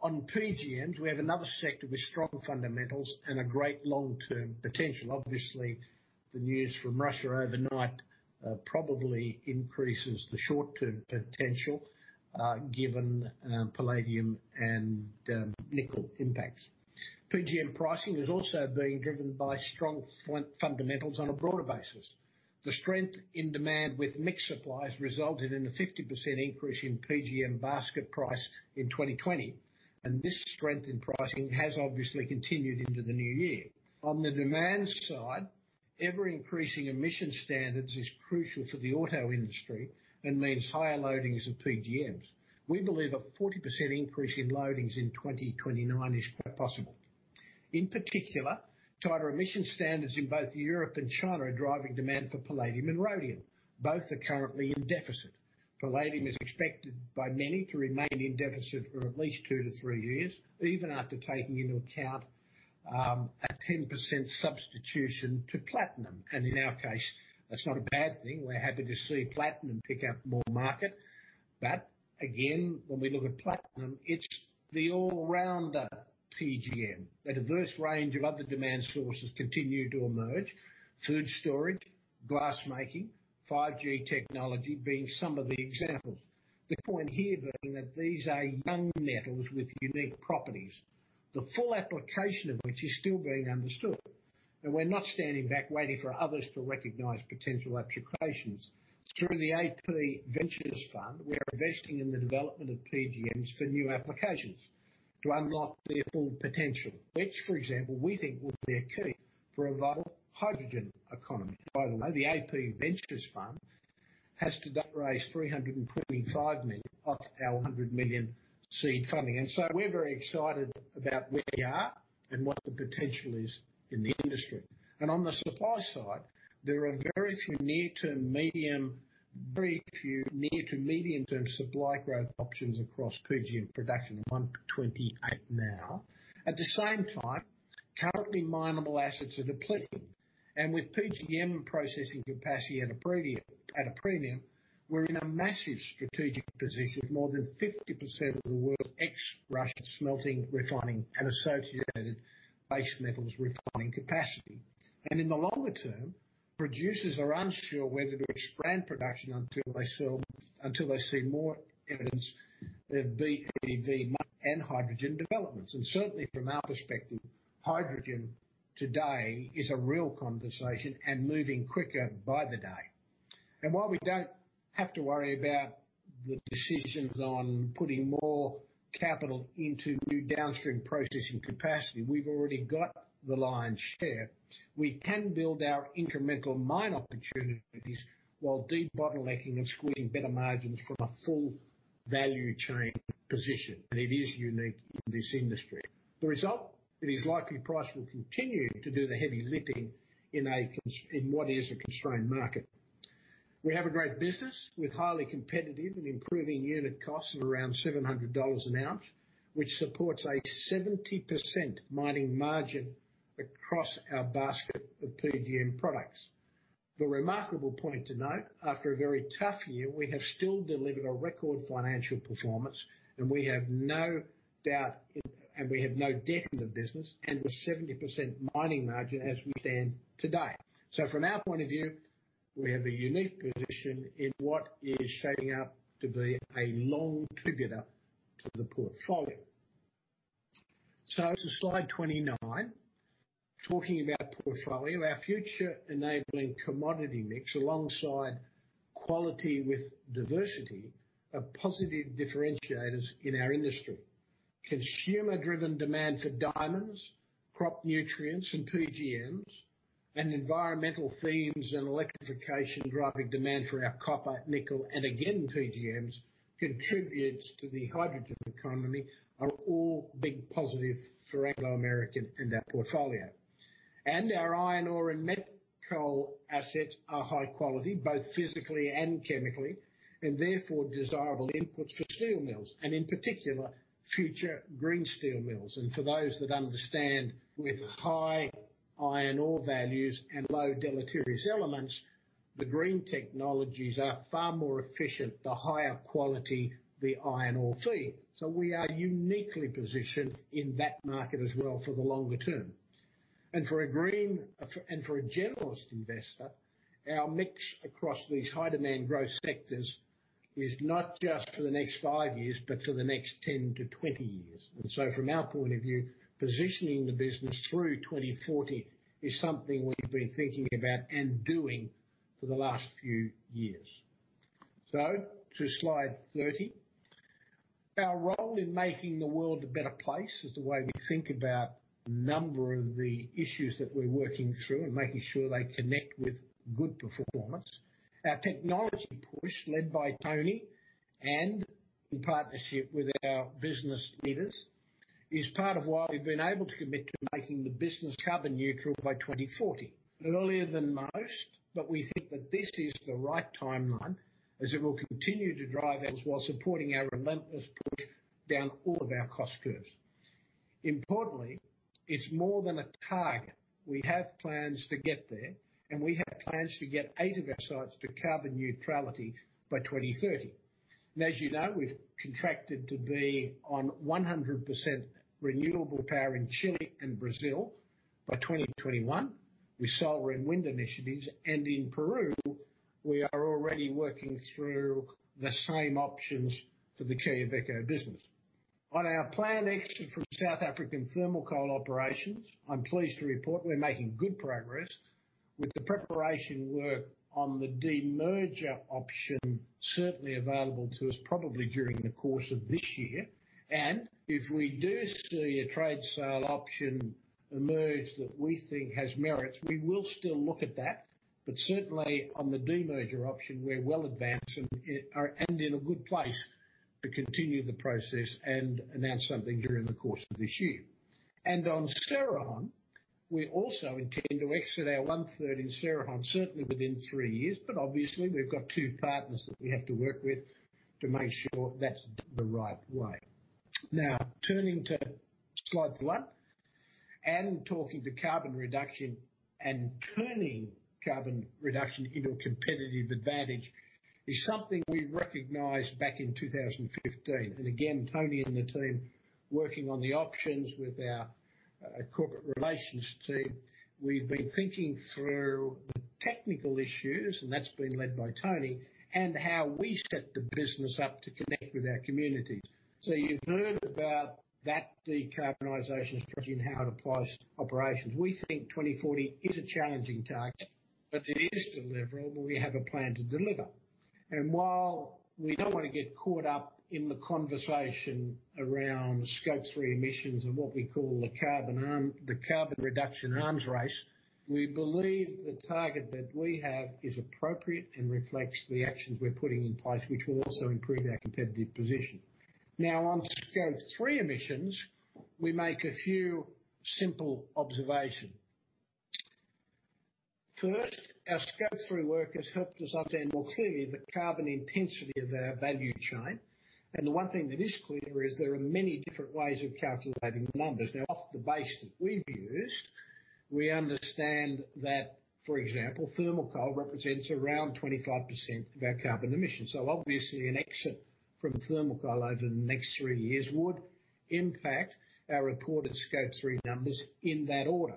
On PGMs, we have another sector with strong fundamentals and a great long-term potential. Obviously, the news from Russia overnight probably increases the short-term potential given palladium and nickel impacts. PGM pricing has also been driven by strong fundamentals on a broader basis. The strength in demand with mixed supplies resulted in a 50% increase in PGM basket price in 2020, and this strength in pricing has obviously continued into the new year. On the demand side, ever-increasing emission standards is crucial for the auto industry and means higher loadings of PGMs. We believe a 40% increase in loadings in 2029 is possible. In particular, tighter emission standards in both Europe and China are driving demand for palladium and rhodium. Both are currently in deficit. Palladium is expected by many to remain in deficit for at least two to three years, even after taking into account a 10% substitution to platinum. In our case, that's not a bad thing. We're happy to see platinum pick up more market. Again, when we look at platinum, it's the all-rounder PGM. A diverse range of other demand sources continue to emerge. Food storage, glass making, 5G technology being some of the examples. The point here being that these are young metals with unique properties, the full application of which is still being understood. We're not standing back waiting for others to recognize potential applications. Through the AP Ventures Fund, we are investing in the development of PGMs for new applications to unlock their full potential, which, for example, we think will be a key for a volatile hydrogen economy. By the way, the AP Ventures Fund has to date raised $325 million of our $100 million seed funding. We're very excited about where we are and what the potential is in the industry. On the supply side, there are very few near to medium-term supply growth options across PGM production, 128 now. At the same time, currently mineable assets are depleting. With PGM processing capacity at a premium, we're in a massive strategic position of more than 50% of the world's ex-Russia smelting, refining, and associated base metals refining capacity. In the longer term, producers are unsure whether to expand production until they see more evidence of BEV and hydrogen developments. Certainly, from our perspective, hydrogen today is a real conversation and moving quicker by the day. While we don't have to worry about the decisions on putting more capital into new downstream processing capacity, we've already got the lion's share. We can build our incremental mine opportunities while debottlenecking and squeezing better margins from a full value chain position. It is unique in this industry. The result is likely price will continue to do the heavy lifting in what is a constrained market. We have a great business with highly competitive and improving unit costs of around $700 an ounce, which supports a 70% mining margin across our basket of PGM products. The remarkable point to note, after a very tough year, we have still delivered a record financial performance, and we have no doubt, and we have no debt in the business, and with 70% mining margin as we stand today. From our point of view, we have a unique position in what is shaping up to be a long tailwind to the portfolio. To slide 29, talking about portfolio, our future-enabling commodity mix, alongside quality with diversity, are positive differentiators in our industry. Consumer-driven demand for diamonds, crop nutrients, and PGMs, and environmental themes and electrification driving demand for our copper, nickel, and again, PGMs contributes to the hydrogen economy are all big positive for Anglo American and our portfolio. Our Iron Ore and Met Coal assets are high quality, both physically and chemically, and therefore desirable inputs for steel mills and in particular, future green steel mills. For those that understand with high iron ore values and low deleterious elements, the green technologies are far more efficient, the higher quality the iron ore feed. We are uniquely positioned in that market as well for the longer term. For a generalist investor, our mix across these high-demand growth sectors is not just for the next five years, but for the next 10 to 20 years. From our point of view, positioning the business through 2040 is something we've been thinking about and doing for the last few years. To slide 30. Our role in making the world a better place is the way we think about a number of the issues that we're working through and making sure they connect with good performance. Our technology push, led by Tony and in partnership with our business leaders, is part of why we've been able to commit to making the business carbon neutral by 2040. Earlier than most, but we think that this is the right timeline as it will continue to drive EBITDA while supporting our relentless push down all of our cost curves. Importantly, it's more than a target. We have plans to get there, and we have plans to get eight of our sites to carbon neutrality by 2030. As you know, we've contracted to be on 100% renewable power in Chile and Brazil by 2021 with solar and wind initiatives. In Peru, we are already working through the same options for the Quellaveco business. On our planned exit from South African thermal coal operations, I'm pleased to report we're making good progress with the preparation work on the demerger option certainly available to us probably during the course of this year. If we do see a trade sale option emerge that we think has merits, we will still look at that. Certainly on the demerger option, we're well advanced and in a good place to continue the process and announce something during the course of this year. On Cerrejón, we also intend to exit our one-third in Cerrejón, certainly within three years, but obviously, we've got two partners that we have to work with to make sure that's the right way. Now, turning to slide 31 and talking to carbon reduction and turning carbon reduction into a competitive advantage is something we recognized back in 2015. Again, Tony and the team working on the options with our corporate relations team. We've been thinking through the technical issues, and that's been led by Tony, and how we set the business up to connect with our communities. You've heard about that decarbonization strategy and how it applies to operations. We think 2040 is a challenging target, but it is deliverable. We have a plan to deliver. While we don't want to get caught up in the conversation around Scope 3 emissions and what we call the carbon reduction arms race, we believe the target that we have is appropriate and reflects the actions we're putting in place, which will also improve our competitive position. On Scope 3 emissions, we make a few simple observations. First, our Scope 3 work has helped us understand more clearly the carbon intensity of our value chain. The one thing that is clear is there are many different ways of calculating the numbers. Off the base that we've used, we understand that, for example, thermal coal represents around 25% of our carbon emissions. Obviously, an exit from thermal coal over the next three years would impact our reported Scope 3 numbers in that order.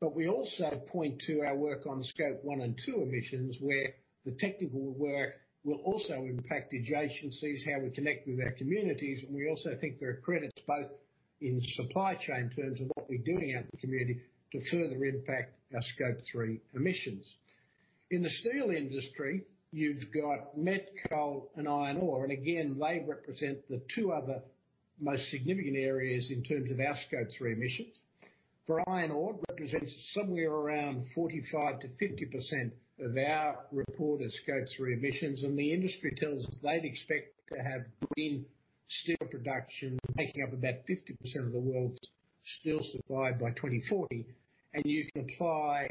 We also point to our work on Scope 1 and 2 emissions, where the technical work will also impact the agencies, how we connect with our communities. We also think there are credits both in supply chain terms of what we're doing out in the community to further impact our Scope 3 emissions. In the steel industry, you've got Met Coal and Iron Ore, again, they represent the two other most significant areas in terms of our Scope 3 emissions. For iron ore, it represents somewhere around 45%-50% of our reported Scope 3 emissions, and the industry tells us they'd expect to have green steel production making up about 50% of the world's steel supply by 2040. You can apply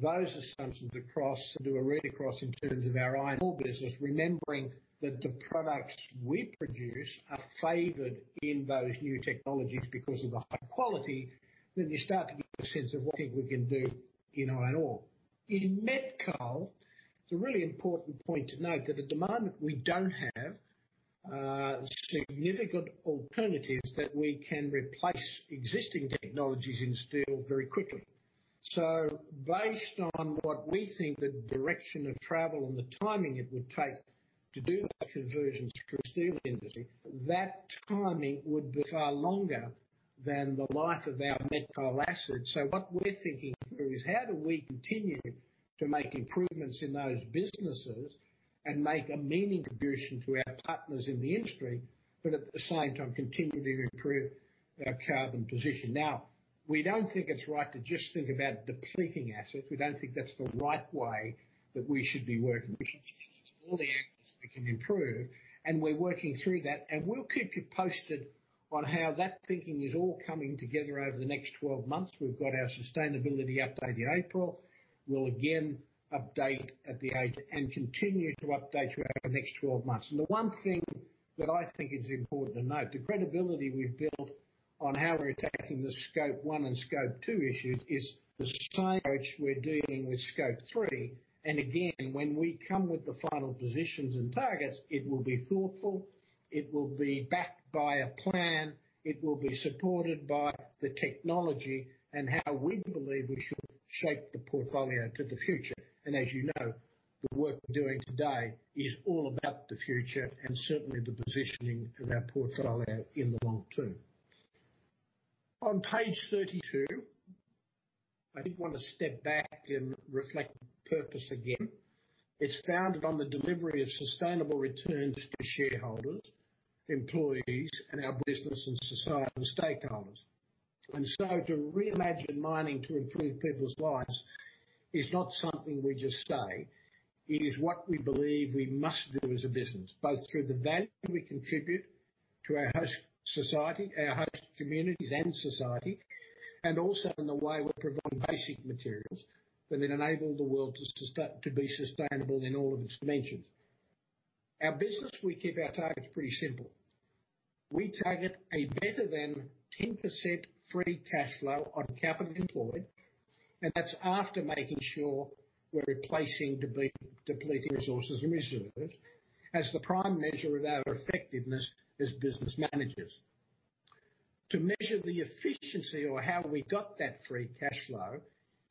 those assumptions across, do a read-across in terms of our iron ore business, remembering that the products we produce are favored in those new technologies because of the high quality, then you start to get a sense of what think we can do in iron ore. In Met Coal, it's a really important point to note that at the moment we don't have significant alternatives that we can replace existing technologies in steel very quickly. Based on what we think the direction of travel and the timing it would take to do that conversion to the steel industry, that timing would be far longer than the life of our Met Coal assets. What we're thinking through is how do we continue to make improvements in those businesses and make a meaningful contribution to our partners in the industry, but at the same time continue to improve our carbon position. We don't think it's right to just think about depleting assets. We don't think that's the right way that we should be working. We should be thinking of all the angles we can improve, and we're working through that, and we'll keep you posted on how that thinking is all coming together over the next 12 months. We've got our sustainability update in April. We'll again update at the AG and continue to update you over the next 12 months. The one thing that I think is important to note, the credibility we've built on how we're attacking the Scope 1 and Scope 2 issues is the same approach we're dealing with Scope 3. Again, when we come with the final positions and targets, it will be thoughtful, it will be backed by a plan, it will be supported by the technology and how we believe we should shape the portfolio to the future. As you know, the work we're doing today is all about the future and certainly the positioning of our portfolio in the long term. On page 32, I did want to step back and reflect on purpose again. It's founded on the delivery of sustainable returns to shareholders, employees, and our business and societal stakeholders. To reimagine mining to improve people's lives is not something we just say. It is what we believe we must do as a business, both through the value we contribute to our host communities and society, and also in the way we provide basic materials that then enable the world to be sustainable in all of its dimensions. Our business, we keep our targets pretty simple. We target a better than 10% free cash flow on capital employed, and that's after making sure we're replacing depleted resources and reserves, as the prime measure of our effectiveness as business managers. To measure the efficiency or how we got that free cash flow,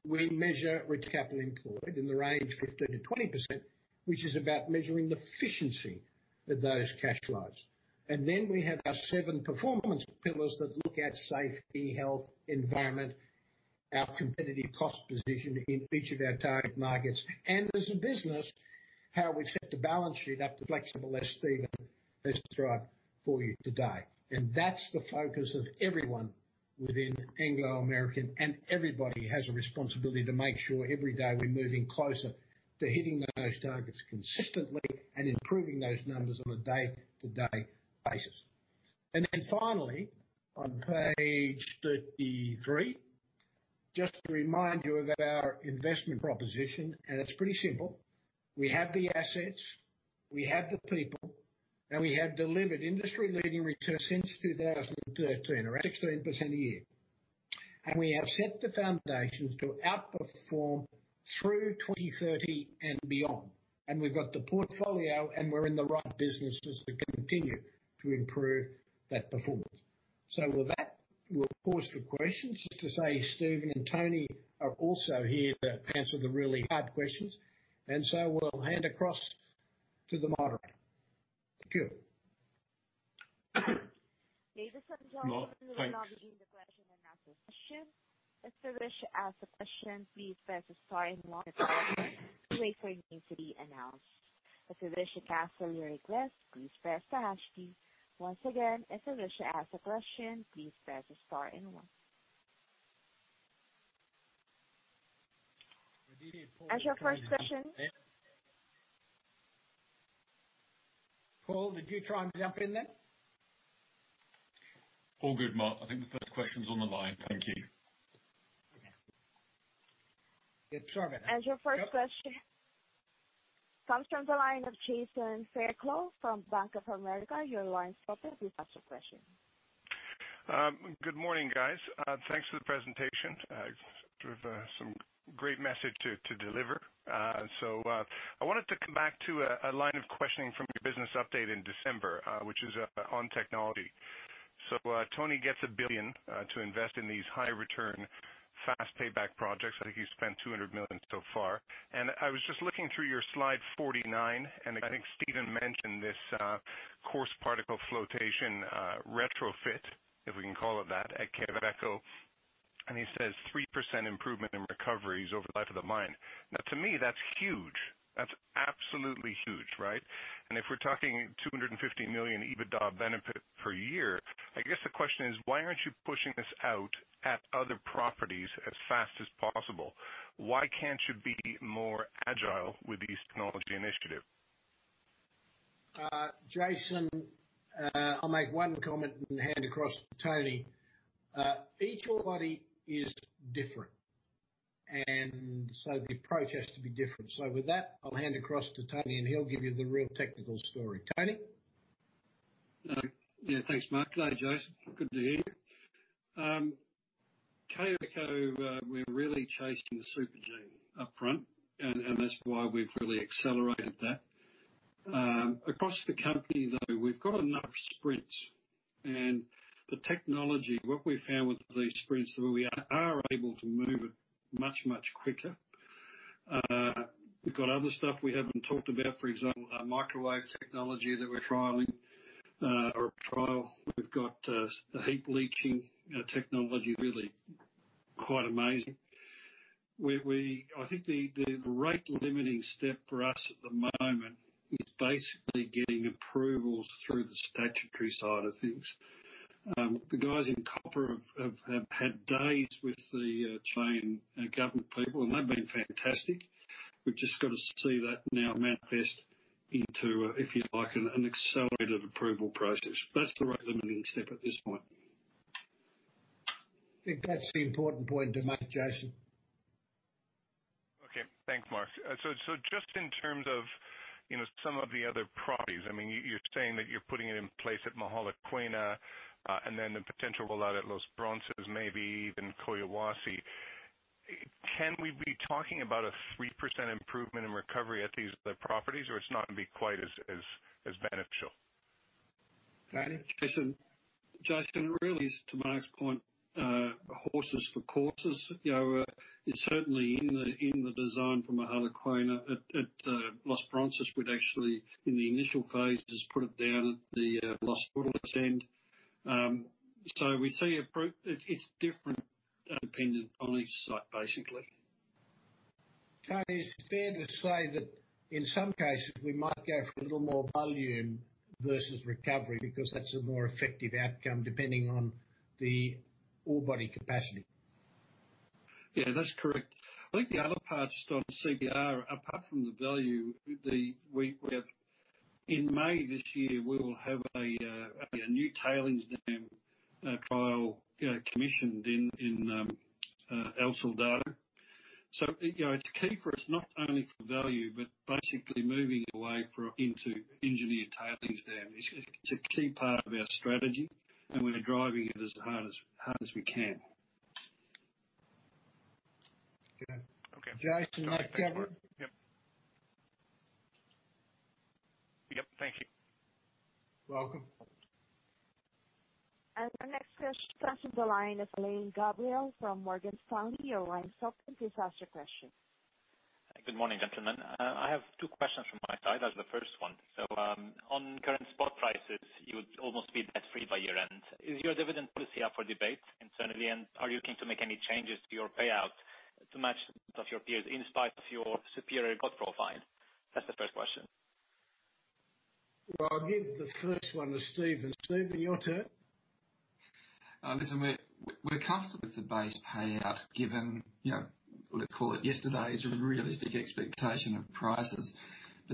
we measure capital employed in the range 15%-20%, which is about measuring the efficiency of those cash flows. Then we have our seven performance pillars that look at safety, health, environment, our competitive cost position in each of our target markets, and as a business, how we set the balance sheet up to flex the muscle Stephen has described for you today. That's the focus of everyone within Anglo American, and everybody has a responsibility to make sure every day we're moving closer to hitting those targets consistently and improving those numbers on a day-to-day basis. Then finally, on page 33, just to remind you of our investment proposition, and it's pretty simple. We have the assets, we have the people, and we have delivered industry-leading returns since 2013, around 16% a year. We have set the foundations to outperform through 2030 and beyond. We've got the portfolio and we're in the right businesses to continue to improve that performance. With that, we'll pause for questions. Just to say, Stephen and Tony are also here to answer the really hard questions. We'll hand across to the moderator. Thank you. Ladies and gentlemen. Mark, thanks. We will now begin the question and answer session. As you wish to ask a question please press the star and one in the telephone and wait for it to be announced. If you wish to cancel your request press star two, once again, if you want to ask a question press star and one. Paul, did you try and jump in then? All good, Mark. I think the first question's on the line. Thank you. Yeah. It's coming. Your first question comes from the line of Jason Fairclough from Bank of America. Your line's open. Please ask your question. Good morning, guys. Thanks for the presentation. Sort of some great message to deliver. I wanted to come back to a line of questioning from your business update in December, which is on technology. Tony gets $1 billion to invest in these high-return, fast payback projects. I think you've spent $200 million so far. I was just looking through your slide 49, and I think Stephen mentioned this Coarse Particle Flotation retrofit, if we can call it that, at Quellaveco. He says 3% improvement in recoveries over the life of the mine. To me, that's huge. That's absolutely huge, right? If we're talking $250 million EBITDA benefit per year, I guess the question is, why aren't you pushing this out at other properties as fast as possible? Why can't you be more agile with these technology initiatives? Jason, I'll make one comment and hand across to Tony. Each ore body is different, the approach has to be different. With that, I'll hand across to Tony, and he'll give you the real technical story. Tony? Yeah, thanks, Mark. Hello, Jason. Good to hear you. Quellaveco, we're really chasing the supergene upfront, and that's why we've really accelerated that. Across the company, though, we've got enough sprints and the technology, what we've found with these sprints, is we are able to move it much, much quicker. We've got other stuff we haven't talked about, for example, a microwave technology that we're trialing or a trial. We've got a heap leaching technology, really quite amazing. I think the rate-limiting step for us at the moment is basically getting approvals through the statutory side of things. The guys in copper have had days with the Chilean government people, and they've been fantastic. We've just got to see that now manifest into, if you like, an accelerated approval process. That's the rate-limiting step at this point. I think that's the important point to make, Jason. Okay. Thanks, Mark. Just in terms of some of the other properties, you're saying that you're putting it in place at Mogalakwena, and then the potential rollout at Los Bronces, maybe even Collahuasi. Can we be talking about a 3% improvement in recovery at these other properties? It's not going to be quite as beneficial? Jason, really, to Mark's point, horses for courses. It's certainly in the design for Mogalakwena. At Los Bronces, we'd actually, in the initial phases, put it down at the Los Bronces end. We see it's different dependent on each site, basically. Tony, is it fair to say that in some cases, we might go for a little more volume versus recovery because that's a more effective outcome depending on the ore body capacity? Yeah, that's correct. I think the other part on CPR, apart from the value, in May this year, we will have a new tailings dam trial commissioned in El Soldado. It's key for us, not only for value, but basically moving away into engineered tailings dam. It's a key part of our strategy, and we're driving it as hard as we can. Okay. Okay. Jason, Mark covered? Yep, thank you. Welcome. Our next question comes from the line of Alain Gabriel from Morgan Stanley. Good morning, gentlemen. I have two questions from my side. That's the first one. On current spot prices, you would almost be debt-free year-end. Is your dividend policy up for debate internally, and are you looking to make any changes to your payout to match those of your peers in spite of your superior cost profile? That's the first question. Well, I'll give the first one to Stephen. Stephen, your turn. Listen, we're comfortable with the base payout given, let's call it yesterday's realistic expectation of prices.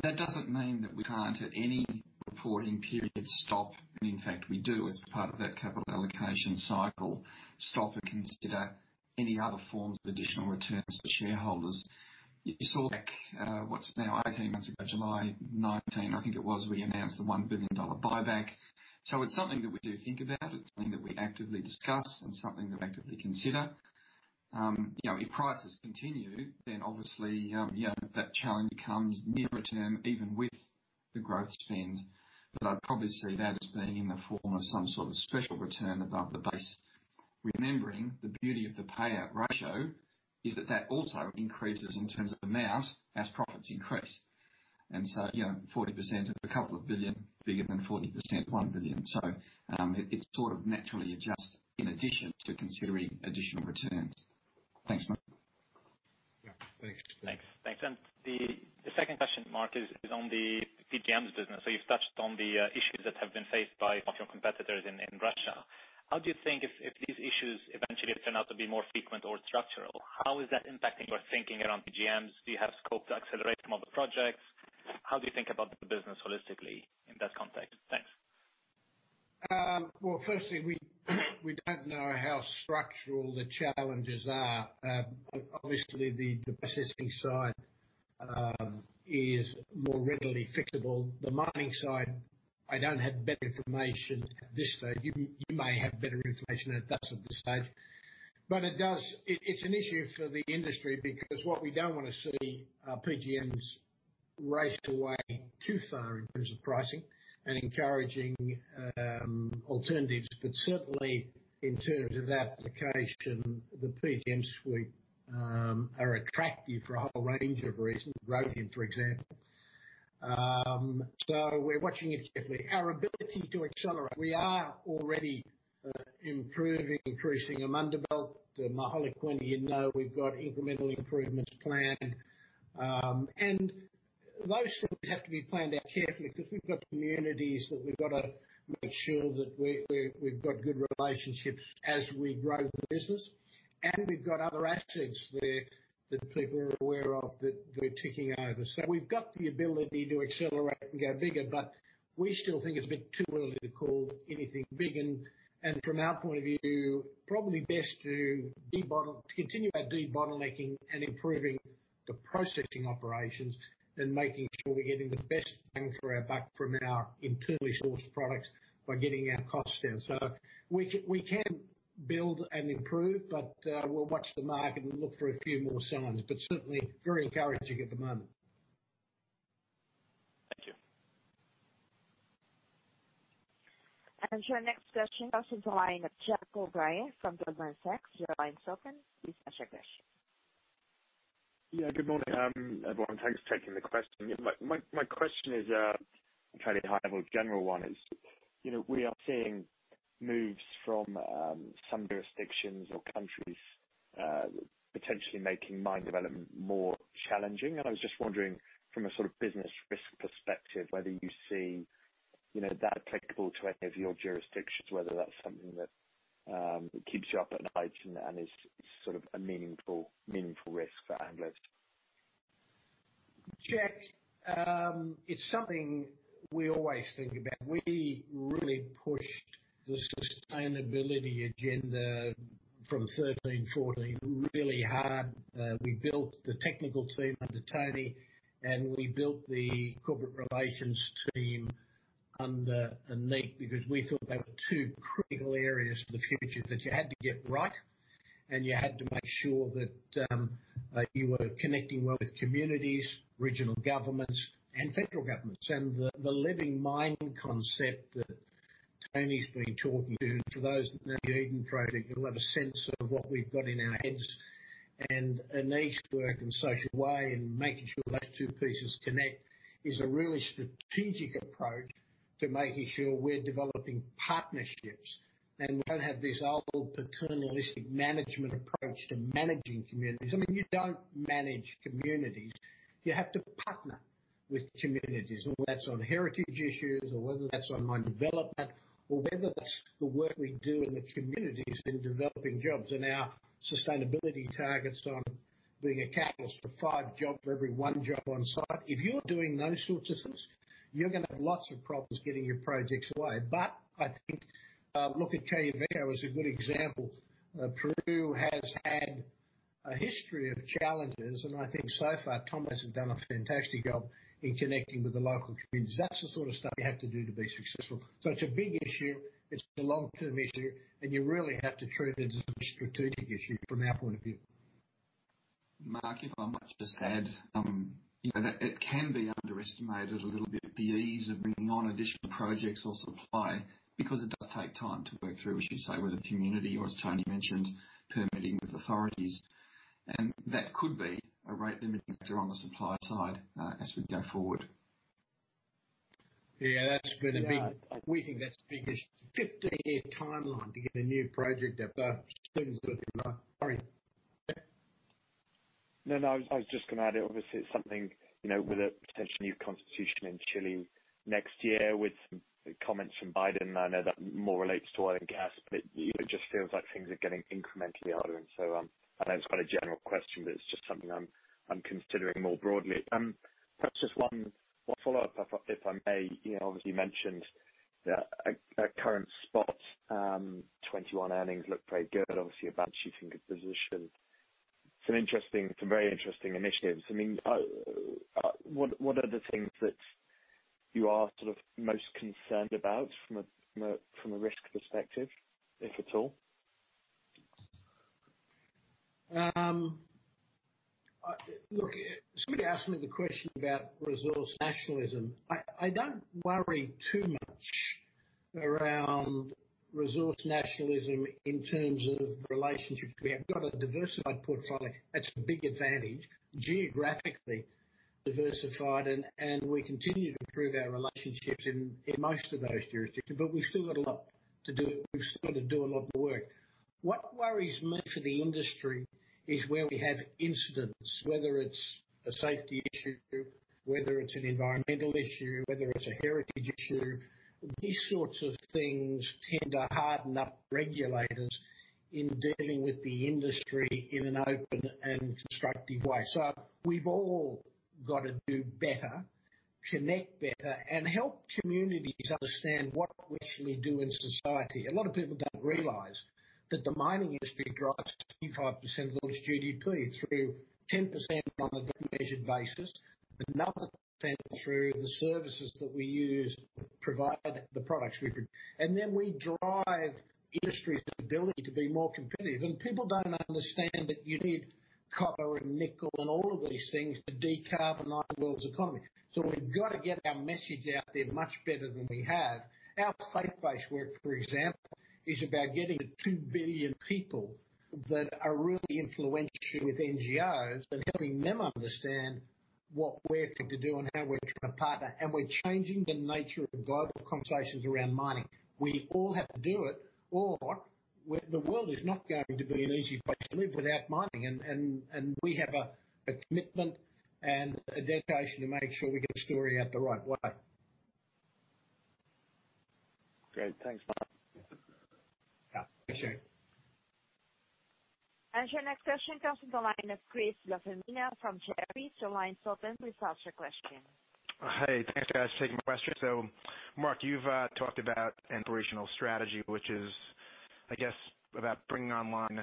That doesn't mean that we can't, at any reporting period, stop, and in fact, we do as part of that capital allocation cycle, stop and consider any other forms of additional returns to shareholders. You saw back, what's now 18 months ago, July 2019, I think it was, we announced the $1 billion buyback. It's something that we do think about, it's something that we actively discuss, and something we actively consider. If prices continue, then obviously, that challenge becomes near term, even with the growth spend. I'd probably see that as being in the form of some sort of special return above the base. Remembering, the beauty of the payout ratio is that that also increases in terms of amount as profits increase. 40% of a couple of billion, bigger than 40% of $1 billion. It sort of naturally adjusts in addition to considering additional returns. Thanks, Mark. Yeah. Thanks. Thanks. The second question, Mark, is on the PGMs business. You've touched on the issues that have been faced by a lot of your competitors in Russia. How do you think, if these issues eventually turn out to be more frequent or structural, how is that impacting your thinking around PGMs? Do you have scope to accelerate some of the projects? How do you think about the business holistically in that context? Thanks. Well, firstly, we don't know how structural the challenges are. Obviously, the processing side is more readily fixable. The mining side, I don't have better information at this stage. You may have better information than us at this stage. It's an issue for the industry because what we don't want to see are PGMs race away too far in terms of pricing and encouraging alternatives. Certainly, in terms of application, the PGM suite are attractive for a whole range of reasons, rhodium, for example. We're watching it carefully. Our ability to accelerate, we are already improving Amandelbult. Mogalakwena, you'd know, we've got incremental improvements planned. Those things have to be planned out carefully because we've got communities that we've got to make sure that we've got good relationships as we grow the business. We've got other assets there that people are aware of that we're ticking over. We've got the ability to accelerate and go bigger, but we still think it's a bit too early to call anything big and, from our point of view, probably best to continue our debottlenecking and improving the processing operations and making sure we're getting the best bang for our buck from our internally sourced products by getting our costs down. We can build and improve, but we'll watch the market and look for a few more signs, but certainly very encouraging at the moment. Thank you. Your next question comes from the line of Jack O'Brien from Goldman Sachs. Your line's open. Please ask your question. Good morning, everyone. Thanks for taking the question. My question is a fairly high-level general one is, we are seeing moves from some jurisdictions or countries potentially making mine development more challenging. I was just wondering, from a sort of business risk perspective, whether you see that applicable to any of your jurisdictions, whether that's something that keeps you up at night and is sort of a meaningful risk for Anglo? Jack, it's something we always think about. We really pushed the sustainability agenda from 2013, 2014, really hard. We built the technical team under Tony, and we built the corporate relations team under Anik, because we thought they were two critical areas for the future that you had to get right, and you had to make sure that you were connecting well with communities, regional governments, and federal governments. The living mining concept that Tony's been talking to, for those that know the Eden Project, will have a sense of what we've got in our heads. Anik's work in Social Way in making sure those two pieces connect is a really strategic approach to making sure we're developing partnerships and we don't have this old paternalistic management approach to managing communities. I mean, you don't manage communities. You have to partner with communities, and whether that's on heritage issues or whether that's on mine development or whether that's the work we do in the communities in developing jobs and our sustainability targets on being a catalyst for five jobs for every one job on site. If you're doing those sorts of things, you're going to have lots of problems getting your projects away. I think, look at Quellaveco as a good example. Peru has had a history of challenges, and I think so far, Tom hasn't done a fantastic job in connecting with the local communities. That's the sort of stuff you have to do to be successful. It's a big issue, it's a long-term issue, and you really have to treat it as a strategic issue from our point of view. Mark, if I might just add, that it can be underestimated a little bit, the ease of bringing on additional projects or supply, because it does take time to work through, as you say, with the community or as Tony mentioned, permitting with authorities. That could be a rate limiter on the supply side, as we go forward. Yeah, we think that's the biggest 15-year timeline to get a new project above. I was just going to add, obviously, it's something, with a potential new constitution in Chile next year with some comments from Biden. I know that more relates to oil and gas, but it just feels like things are getting incrementally harder. I know it's quite a general question, but it's just something I'm considering more broadly. Perhaps just one follow-up, if I may. You obviously mentioned that current spot 2021 earnings look very good. Obviously, a balance sheet in good position. Some very interesting initiatives. I mean, what are the things that you are sort of most concerned about from a risk perspective, if at all? Somebody asked me the question about resource nationalism. I don't worry too much around resource nationalism in terms of relationships. We have got a diversified portfolio. That's a big advantage. Geographically diversified, and we continue to improve our relationships in most of those jurisdictions. We've still got a lot to do. We've still got to do a lot more work. What worries me for the industry is where we have incidents, whether it's a safety issue, whether it's an environmental issue, whether it's a heritage issue. These sorts of things tend to harden up regulators in dealing with the industry in an open and constructive way. We've all got to do better, connect better, and help communities understand what we actually do in society. A lot of people don't realize that the mining industry drives 25% of the world's GDP through 10% on a good measured basis, another 10% through the services that we use to provide the products we produce. We drive industry's ability to be more competitive, and people don't understand that you need copper and nickel and all of these things to decarbonize the world's economy. We've got to get our message out there much better than we have. Our faith-based work, for example, is about getting to 2 billion people that are really influential with NGOs and helping them understand what we're trying to do and how we're trying to partner. We're changing the nature of global conversations around mining. We all have to do it, the world is not going to be an easy place to live without mining. We have a commitment and a dedication to make sure we get the story out the right way. Great. Thanks, Mark. Yeah. Appreciate it. Your next question comes from the line of Chris LaFemina from Jefferies. Your line's open. Please ask your question. Hey, thanks, guys. Taking my question. Mark, you've talked about operational strategy, which is, I guess, about bringing online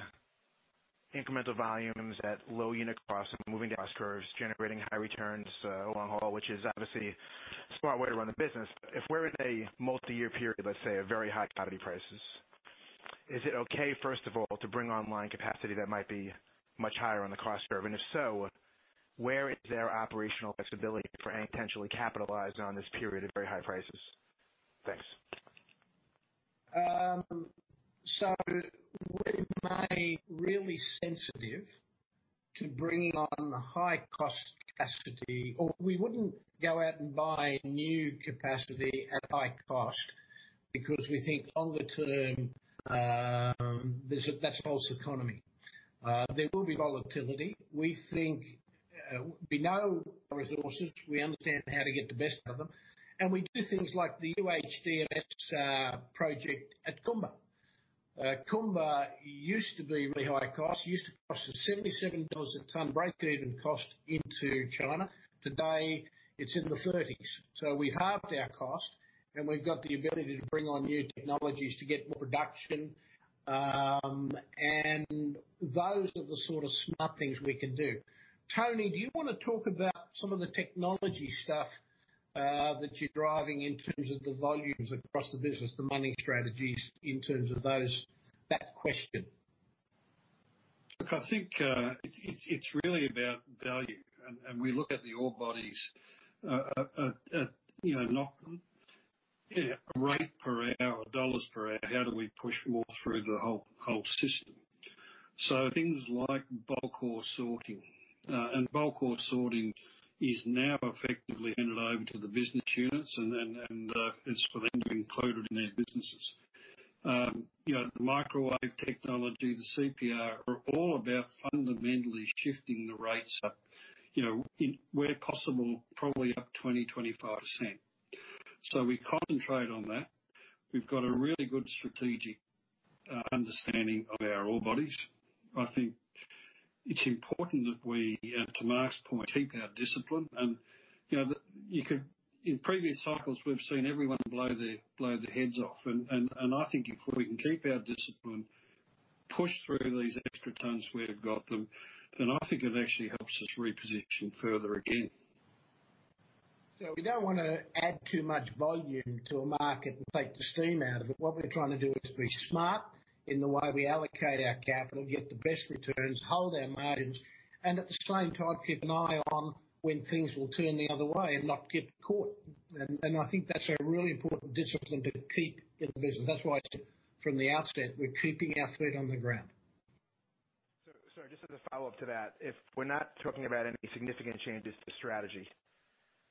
incremental volumes at low unit cost and moving down cost curves, generating high returns long haul, which is obviously a smart way to run a business. If we're in a multi-year period, let's say, of very high commodity prices, is it okay, first of all, to bring online capacity that might be much higher on the cost curve? If so, where is there operational flexibility for any potentially capitalizing on this period of very high prices? Thanks. We remain really sensitive to bringing on high-cost capacity or we wouldn't go out and buy new capacity at high cost because we think longer-term, that's false economy. There will be volatility. We know our resources, we understand how to get the best of them, and we do things like the UHDMS project at Kumba. Kumba used to be really high cost, used to cost us $77 a ton break-even cost into China. Today, it's in the 30s. We halved our cost, and we've got the ability to bring on new technologies to get more production. Those are the sort of smart things we can do. Tony, do you want to talk about some of the technology stuff that you're driving in terms of the volumes across the business, the mining strategies in terms of that question? Look, I think it's really about value. We look at the ore bodies at, not rate per hour or dollar per hour. How do we push more through the whole system? Things like Bulk Ore Sorting. Bulk Ore Sorting is now effectively handed over to the business units and it's for them to include in their businesses. The microwave technology, the CPF, are all about fundamentally shifting the rates up. Where possible, probably up 20%-25%. We concentrate on that. We've got a really good strategic understanding of our ore bodies. I think it's important that we, and to Mark's point, keep our discipline and in previous cycles, we've seen everyone blow their heads off. I think if we can keep our discipline, push through these extra tons, we've got them, then I think it actually helps us reposition further again. We don't want to add too much volume to a market and take the steam out of it. What we're trying to do is be smart in the way we allocate our capital, get the best returns, hold our margins, and at the same time, keep an eye on when things will turn the other way and not get caught. I think that's a really important discipline to keep in the business. That's why I said from the outset, we're keeping our feet on the ground. Just as a follow-up to that. If we're not talking about any significant changes to strategy,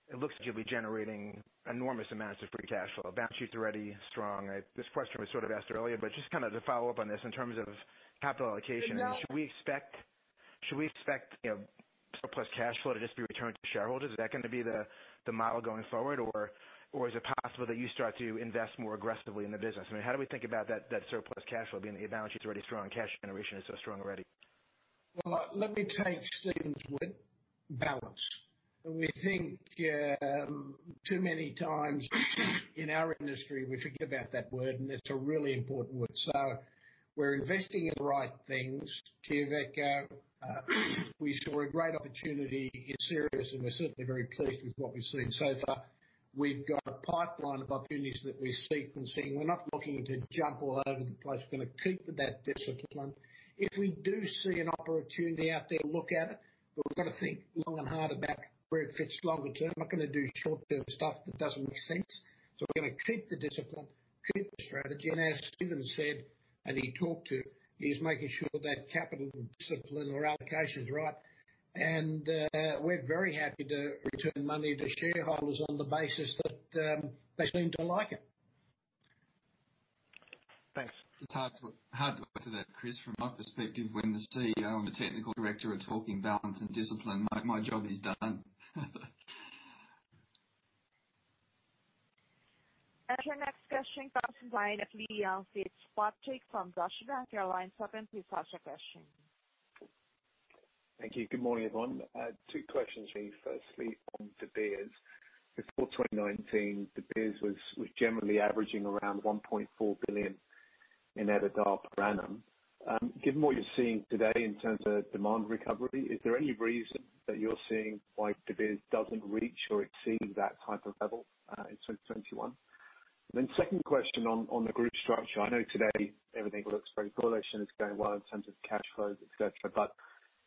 it looks like you'll be generating enormous amounts of free cash flow. The balance sheet's already strong. This question was sort of asked earlier, but just to follow up on this in terms of capital allocation. No Should we expect surplus cash flow to just be returned to shareholders? Is that going to be the model going forward? Is it possible that you start to invest more aggressively in the business? I mean, how do we think about that surplus cash flow being the balance sheet's already strong, cash generation is so strong already? Let me take Stephen's word; balance. We think too many times in our industry, we forget about that word, and it's a really important word. We're investing in the right things. Quellaveco, we saw a great opportunity in Sirius, and we're certainly very pleased with what we've seen so far. We've got a pipeline of opportunities that we're sequencing. We're not looking to jump all over the place. We're going to keep with that discipline. If we do see an opportunity out there, look at it. We've got to think long and hard about where it fits longer term. We're not going to do short-term stuff that doesn't make sense. We're going to keep the discipline, keep the strategy, and as Stephen said, and he talked to, he's making sure that capital discipline or allocation is right. We're very happy to return money to shareholders on the basis that they seem to like it. Thanks. It's hard to add to that, Chris, from my perspective, when the CEO and the Technical Director are talking balance and discipline, my job is done. Your next question comes in line of Liam Fitzpatrick from Deutsche Bank. Your line's open to ask your question. Thank you. Good morning, everyone. Two questions for you. Firstly, on De Beers. Before 2019, De Beers was generally averaging around $1.4 billion in EBITDA per annum. Given what you're seeing today in terms of demand recovery, is there any reason that you're seeing why De Beers doesn't reach or exceed that type of level in 2021? Second question on the Group structure. I know today everything looks very correlation is going well in terms of cash flows, et cetera, but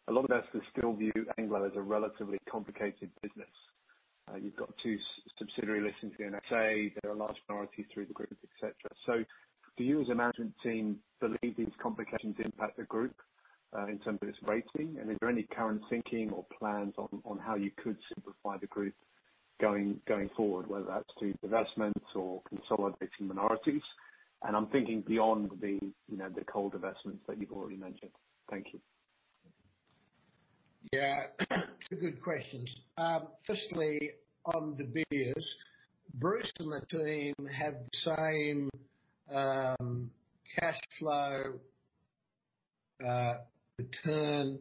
a lot of us can still view Anglo as a relatively complicated business. You've got two subsidiary listings in the SA. There are large minorities through the Group, et cetera. Do you as a management team believe these complications impact the Group in terms of its rating? Is there any current thinking or plans on how you could simplify the Group going forward, whether that's through divestments or consolidating minorities? I'm thinking beyond the coal divestments that you've already mentioned. Thank you. Yeah. Two good questions. Firstly, on De Beers. Bruce and the team have the same cash flow-return and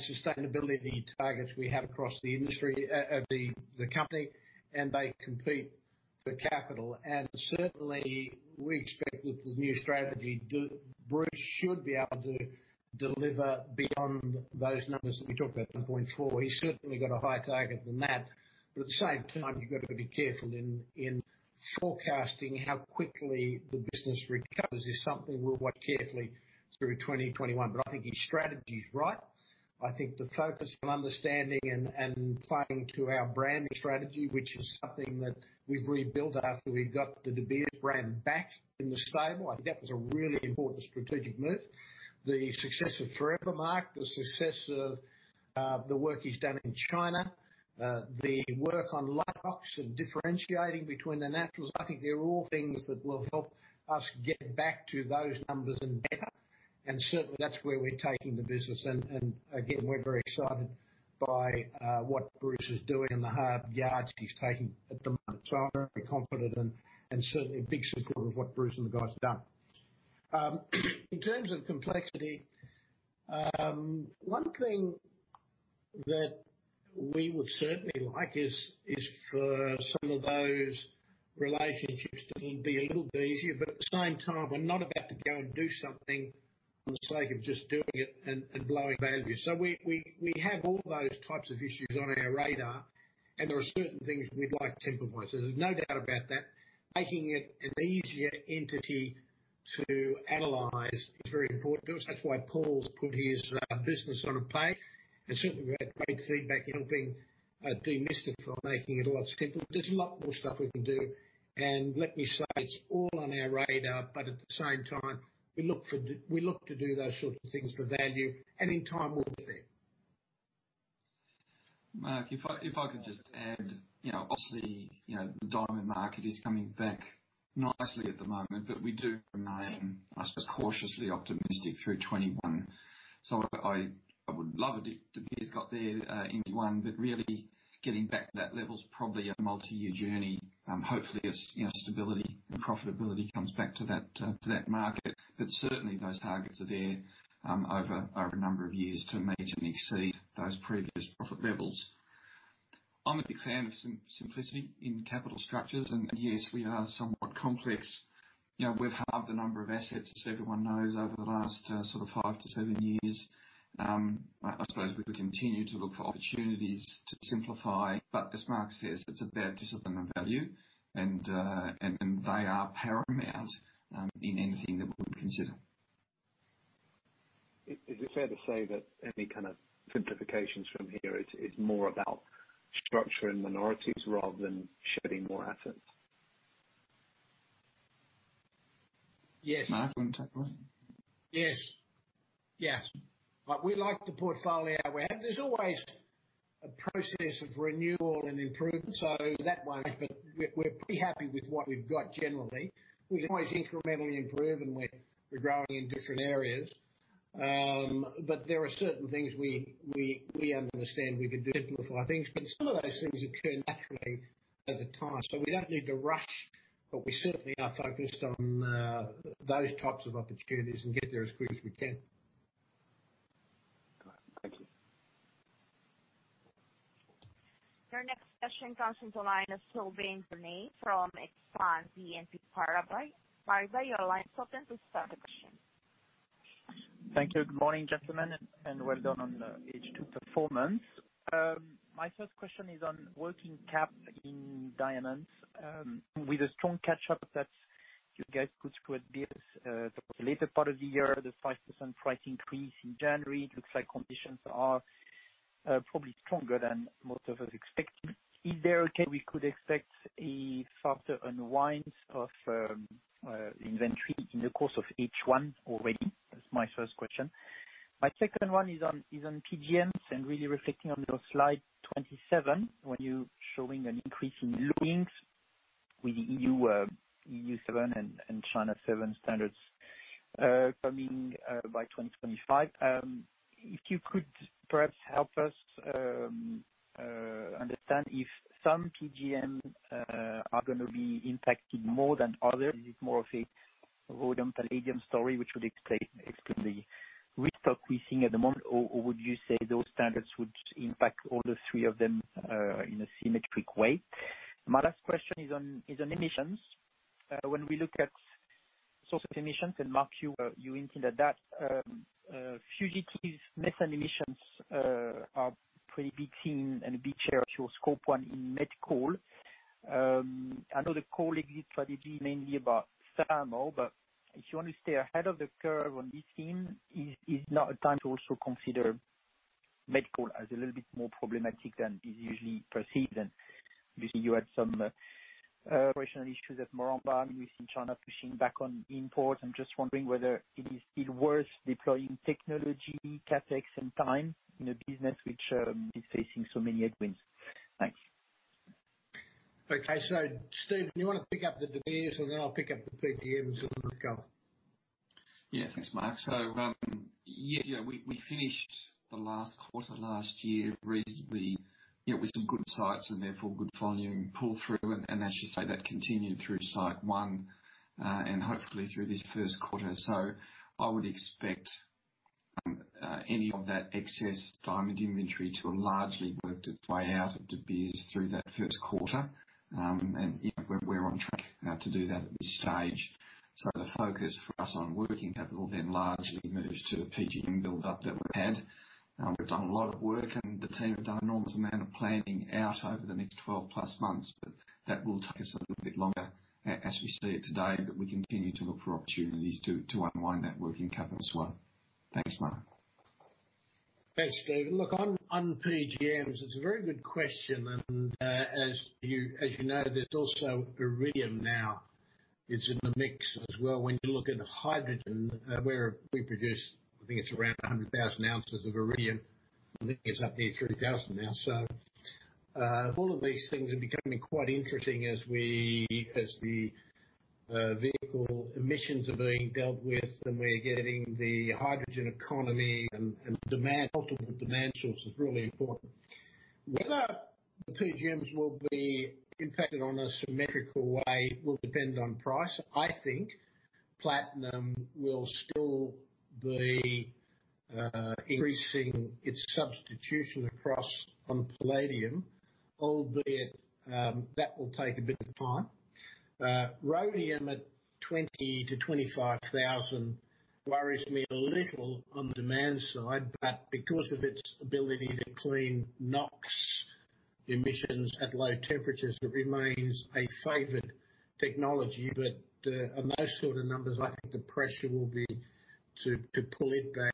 sustainability targets we have across the company, and they compete for capital. Certainly, we expect with the new strategy, Bruce should be able to deliver beyond those numbers that we talked about, $1.4 billion. He's certainly got a higher target than that. At the same time, you've got to be careful in forecasting how quickly the business recovers. It's something we'll watch carefully through 2021. I think his strategy is right. I think the focus on understanding and playing to our brand strategy, which is something that we've rebuilt after we've got the De Beers brand back in the stable. I think that was a really important strategic move. The success of Forevermark, the success of the work he's done in China, the work on Lightbox and differentiating between the naturals. I think they're all things that will help us get back to those numbers and better. Certainly, that's where we're taking the business. Again, we're very excited by what Bruce is doing and the hard yards he's taking at the moment. I'm very confident and certainly a big supporter of what Bruce and the guys have done. In terms of complexity, one thing that we would certainly like is for some of those relationships to be a little bit easier. At the same time, we're not about to go and do something for the sake of just doing it and blowing value. We have all those types of issues on our radar, and there are certain things we'd like to simplify. There's no doubt about that. Making it an easier entity to analyze is very important to us. That's why Paul's put his business on a page. Certainly, we had great feedback in helping demystify, making it a lot simpler. There's a lot more stuff we can do, and let me say, it's all on our radar, but at the same time, we look to do those sorts of things for value, and in time we'll get there. Mark, if I could just add, obviously, the diamond market is coming back nicely at the moment, we do remain cautiously optimistic through 2021. I would love it if De Beers got there in Q1, really getting back to that level is probably a multi-year journey. Hopefully, stability and profitability comes back to that market. Certainly, those targets are there over a number of years to meet and exceed those previous profit levels. I'm a big fan of simplicity in capital structures, yes, we are somewhat complex. We've halved the number of assets, as everyone knows, over the last five to seven years. I suppose we will continue to look for opportunities to simplify. As Mark says, it's about discipline and value, they are paramount in anything that we would consider. Is it fair to say that any kind of simplifications from here is more about structure and minorities rather than shedding more assets? Yes. Mark, do you want to take that one? Yes. We like the portfolio we have. There's always a process of renewal and improvement. We're pretty happy with what we've got generally. We can always incrementally improve, and we're growing in different areas. There are certain things we understand we can do to simplify things. Some of those things occur naturally over time. We don't need to rush, but we certainly are focused on those types of opportunities and get there as quick as we can. Got it. Thank you. Your next question comes from the line of Sylvain Brunet from Exane BNP Paribas. Sylvain, your line is open. Please start the question. Thank you. Good morning, gentlemen, and well done on the H2 performance. My first question is on working cap in diamonds. With a strong catch-up that you guys could score deals the later part of the year, the 5% price increase in January, it looks like conditions are probably stronger than most of us expected. Is there a case we could expect a faster unwind of inventory in the course of H1 already? That's my first question. My second one is on PGMs and really reflecting on your slide 27, where you're showing an increase in loadings with EU 7 and China 7 standards coming by 2025. If you could perhaps help us understand if some PGMs are going to be impacted more than others. Is it more of a rhodium, palladium story, which would explain the risk we're seeing at the moment? Or would you say those standards would impact all the three of them in a symmetric way? My last question is on emissions. When we look at source of emissions, and Mark, you hinted at that, fugitives, methane emissions are pretty big theme and a big share to your Scope 1 in Met Coal. I know the coal exit strategy mainly about thermal, but if you want to stay ahead of the curve on this theme, is now a time to also consider Met Coal as a little bit more problematic than is usually perceived? We see you had some operational issues at Moranbah, and we've seen China pushing back on imports. I'm just wondering whether it is still worth deploying technology, CapEx, and time in a business which is facing so many headwinds. Thanks. Okay. Stephen, you want to pick up the De Beers, I'll pick up the PGM, Sylvain can go. Yeah. Thanks, Mark. We finished the last quarter last year reasonably with some good Sights and therefore good volume pull-through, and as you say, that continued through Sight 1. Hopefully through this first quarter. I would expect any of that excess diamond inventory to have largely worked its way out of De Beers through that first quarter. We're on track to do that at this stage. The focus for us on working capital then largely moves to the PGM buildup that we've had. We've done a lot of work, and the team have done an enormous amount of planning out over the next 12 plus months, but that will take us a little bit longer as we see it today. We continue to look for opportunities to unwind that working capital as well. Thanks, Mark. Thanks, Stephen. On PGMs, it's a very good question, as you know, there's also iridium now is in the mix as well. When you look at hydrogen, where we produce, I think it's around 100,000 ounces of iridium. I think it's up near 3,000 now. All of these things are becoming quite interesting as the vehicle emissions are being dealt with and we're getting the hydrogen economy and demand, ultimate demand source is really important. Whether the PGMs will be impacted on a symmetrical way will depend on price. I think platinum will still be increasing its substitution across on palladium, albeit that will take a bit of time. Rhodium at 20,000 to 25,000 worries me a little on the demand side, because of its ability to clean NOx emissions at low temperatures, it remains a favored technology. At those sort of numbers, I think the pressure will be to pull it back.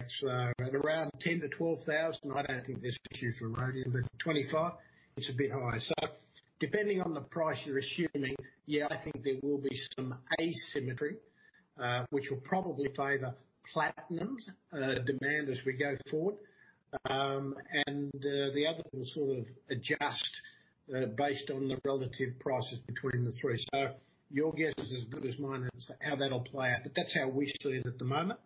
At around $10,000-$12,000, I don't think there's an issue for rhodium, but at $25,000, it's a bit high. Depending on the price you're assuming, yeah, I think there will be some asymmetry, which will probably favor platinum demand as we go forward. The other will sort of adjust based on the relative prices between the three. Your guess is as good as mine as to how that'll play out, that's how we see it at the moment.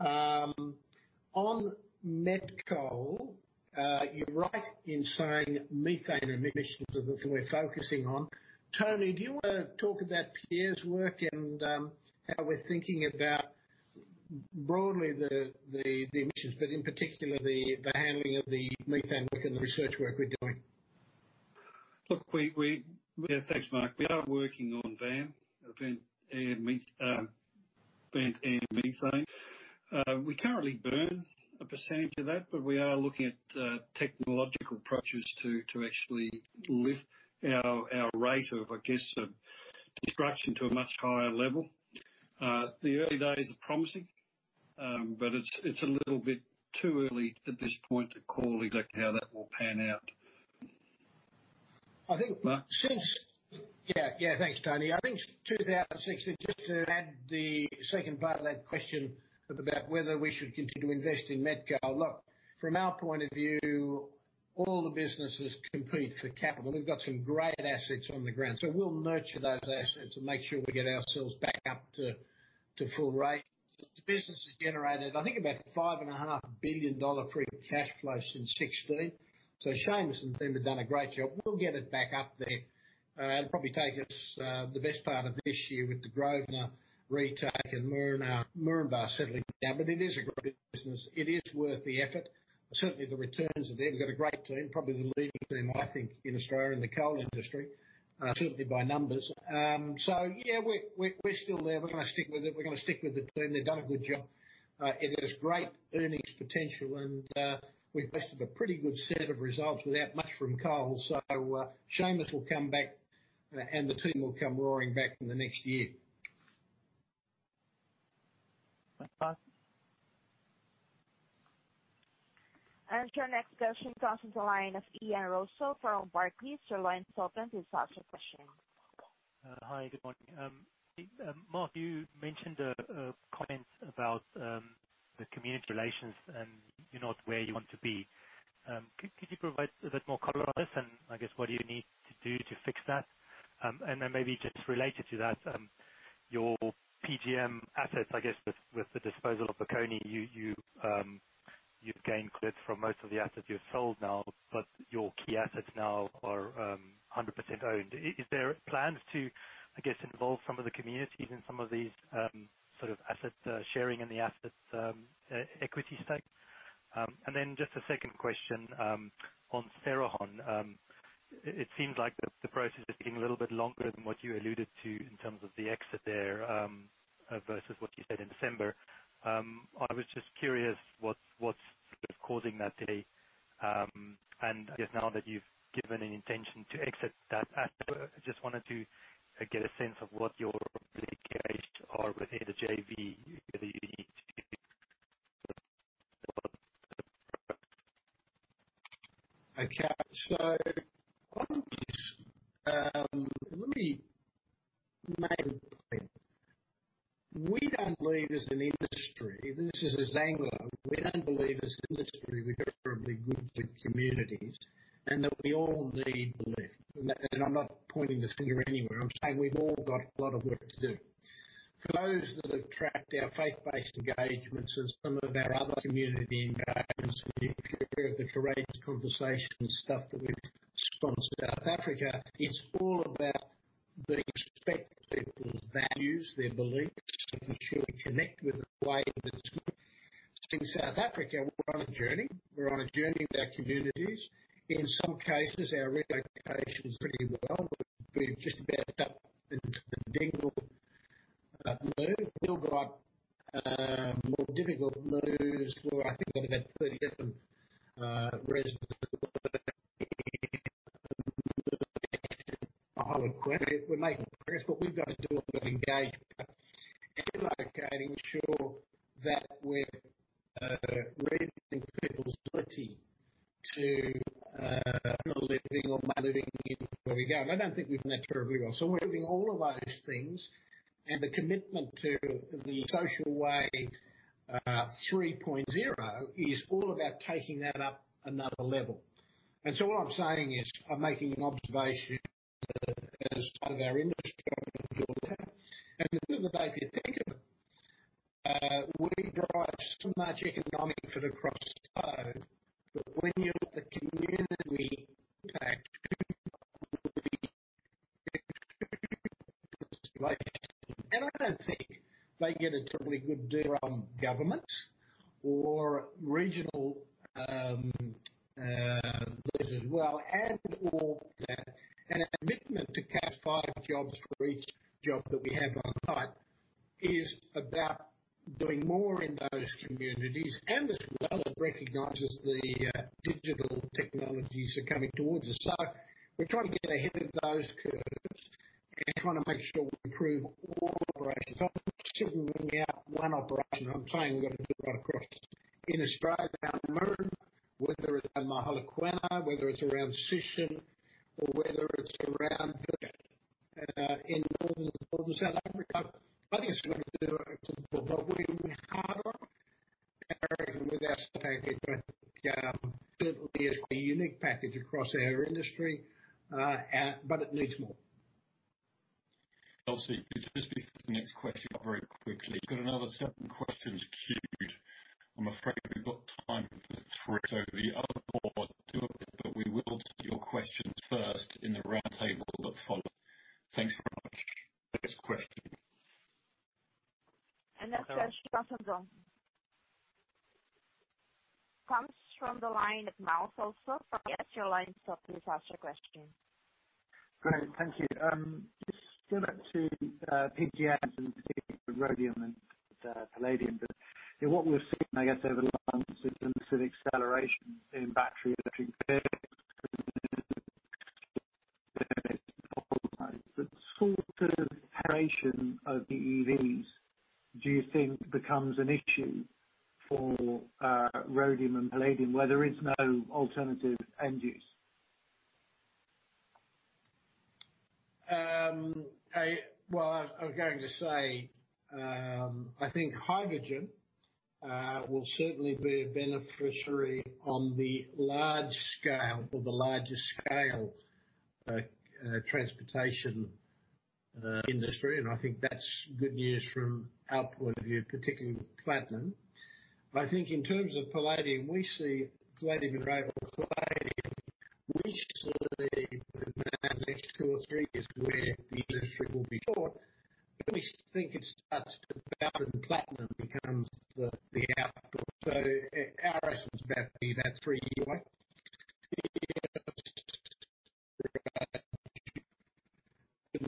On Met Coal, you're right in saying methane emissions are what we're focusing on. Tony, do you want to talk about Pierre's work and how we're thinking about broadly the emissions, in particular the handling of the methane work and the research work we're doing? Yeah. Thanks, Mark. We are working on VAM, vent air methane. We currently burn a percentage of that, but we are looking at technological approaches to actually lift our rate of, I guess, extraction to a much higher level. The early days are promising, but it's a little bit too early at this point to call exactly how that will pan out. Mark? Yeah. Thanks, Tony. I think 2016, just to add the second part of that question about whether we should continue to invest in Met Coal. Look, from our point of view, all the businesses compete for capital. We've got some great assets on the ground, so we'll nurture those assets and make sure we get ourselves back up to full rate. The business has generated, I think about $5.5 billion free cash flow since 2016. Seamus and the team have done a great job. We'll get it back up there. It'll probably take us the best part of this year with the Grosvenor restart and Moranbah settling down. It is a great business. It is worth the effort. Certainly, the returns are there. We've got a great team, probably the leading team, I think, in Australia in the coal industry. Certainly by numbers. Yeah, we're still there. We're going to stick with it. We're going to stick with the team. They've done a good job. It has great earnings potential, we've posted a pretty good set of results without much from coal. Seamus will come back, and the team will come roaring back in the next year. Thanks, Tony. Our next question comes from the line of Ian Rossouw from Barclays. Your line's open to ask a question. Hi, good morning. Mark, you mentioned a comment about the community relations and you're not where you want to be. Could you provide a bit more color on this and I guess what do you need to do to fix that? Maybe just related to that, your PGM assets, I guess with the disposal of Bokoni, you've gained credit from most of the assets you've sold now, but your key assets now are 100% owned. Is there plans to, I guess, involve some of the communities in some of these sort of asset sharing and the assets equity stake? Just a second question on Cerrejón. It seems like the process is taking a little bit longer than what you alluded to in terms of the exit there, versus what you said in December. I was just curious what's causing that delay. I guess now that you've given an intention to exit that asset, I just wanted to get a sense of what your obligations are within the JV, whether you need to. Let me make a point. We don't believe as an industry, this is as Anglo, we don't believe as industry we're terribly good to communities, and that we all need to lift. I'm not pointing the finger anywhere. I'm saying we've all got a lot of work to do. For those that have tracked our faith-based engagements and some of our other community engagements, and you've heard of the Courageous Conversations stuff that we've sponsored in South Africa, respect people's values, their beliefs, and ensure we connect with the way that's good. In South Africa, we're on a journey. We're on a journey with our communities. In some cases, our relocation is pretty well. We've just about done the Dingleton move. We've got more difficult moves where I think we've had 30 different residents in Mogalakwena. We're making progress. What we've got to do on that engagement and relocating, sure that we're reading people's ability to living or managing where we go. I don't think we've done that terribly well. We're doing all of those things, and the commitment to the Social Way 3.0 is all about taking that up another level. What I'm saying is, I'm making an observation as part of our industry on what we're doing there. At the end of the day, if you think of it, we derive so much economic benefit across the globe, but when you look at the community impact, people will be extremely frustrated. I don't think they get a terribly good deal on government or regional leaders as well, and/or that. Our commitment to cast five jobs for each job that we have on site is about doing more in those communities, and as well, it recognizes the digital technologies are coming towards us. We're trying to get ahead of those curves and trying to make sure we improve all operations. I'm not sitting ruling out one operation. I'm saying we've got to do it right across. In Australia, down in Moranbah, whether it's at Mogalakwena, whether it's around Sishen, or whether it's around Venetia in northern South Africa. [inaudible] With our staff here at PGM, certainly is a unique package across our industry, but it needs more. Elsie, could you just pick up the next question very quickly? Got another seven questions queued. I'm afraid we've got time for three. If you could overlook two of them, but we will take your questions first in the roundtable that follow. Thanks very much. Next question. Next question comes on. Comes from the line of Myles Allsop of UBS. Yes, your line's up please ask your question. Great. Thank you. Just similar to PGMs and particularly with rhodium and palladium, what we're seeing, I guess, over the last six months, an acceleration in battery electric vehicles. What sort of preparation of the EVs do you think becomes an issue for rhodium and palladium where there is no alternative end use? Well, I was going to say, I think hydrogen will certainly be a beneficiary on the large scale or the larger scale transportation industry, and I think that's good news from our point of view, particularly with platinum. I think in terms of palladium, we see palladium and rhodium. Palladium, we see the next two or three years where the industry will be short, but we think it starts to founder and platinum becomes the output. Our estimate is about a three-year life.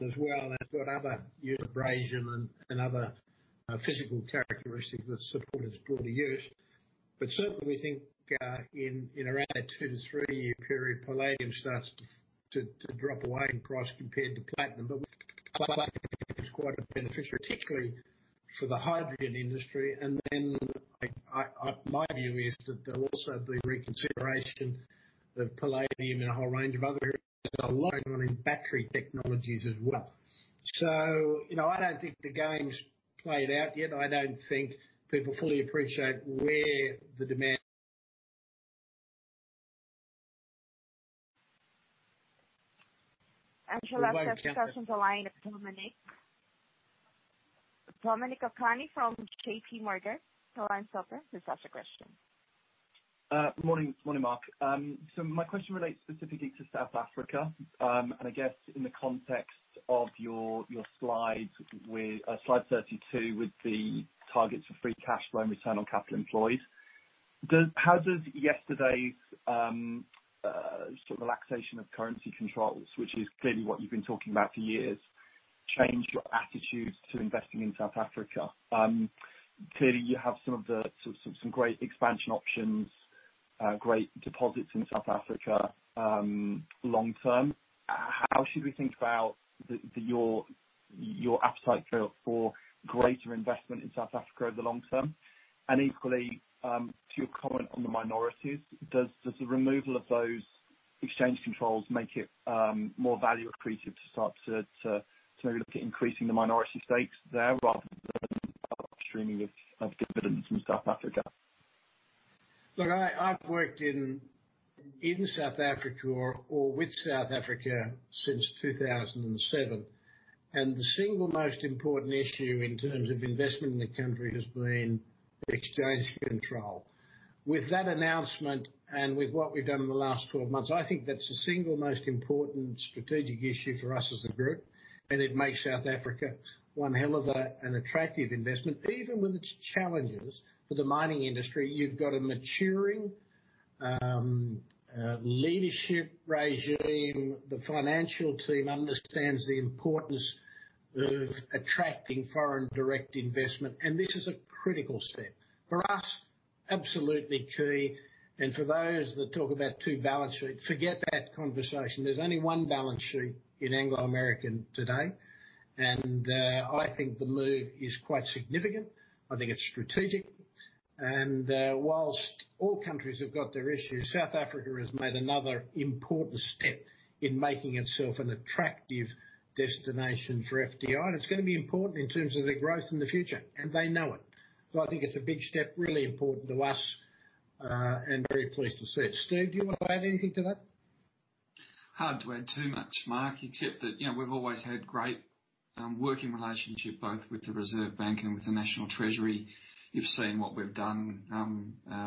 As well, it's got other abrasion and other physical characteristics that support its broader use. Certainly, we think in around a two to three-year period, palladium starts to drop away in price compared to platinum. Platinum is quite a beneficiary, particularly for the hydrogen industry. My view is that there'll also be reconsideration of palladium in a whole range of other areas. There's a lot going on in battery technologies as well. I don't think the game's played out yet. I don't think people fully appreciate where the demand- Your last question comes on the line of Dominic. Dominic O'Kane from J.P.Morgan. Your line's open, please ask your question. Morning, Mark. My question relates specifically to South Africa. I guess in the context of your slide 32 with the targets for free cash flow and return on capital employed. How does yesterday's sort of relaxation of currency controls, which is clearly what you've been talking about for years, change your attitude to investing in South Africa? Clearly, you have some great expansion options, great deposits in South Africa long term. How should we think about your upside for greater investment in South Africa over the long term? Equally, to your comment on the minorities, does the removal of those exchange controls make it more value accretive to start to maybe look at increasing the minority stakes there rather than upstreaming of dividends from South Africa? Look, I've worked in South Africa or with South Africa since 2007. The single most important issue in terms of investing in the country has been exchange control. With that announcement and with what we've done in the last 12 months, I think that's the single most important strategic issue for us as a Group, and it makes South Africa one hell of an attractive investment. Even with its challenges for the mining industry, you've got a maturing leadership regime. The financial team understands the importance of attracting foreign direct investment, and this is a critical step. For us, absolutely key, and for those that talk about two balance sheets, forget that conversation. There's only one balance sheet in Anglo American today, and I think the move is quite significant. I think it's strategic. Whilst all countries have got their issues, South Africa has made another important step in making itself an attractive destination for FDI. It's going to be important in terms of their growth in the future, and they know it. I think it's a big step, really important to us, and very pleased to see it. Steve, do you want to add anything to that? Hard to add too much, Mark, except that we've always had great working relationship, both with the Reserve Bank and with the National Treasury. You've seen what we've done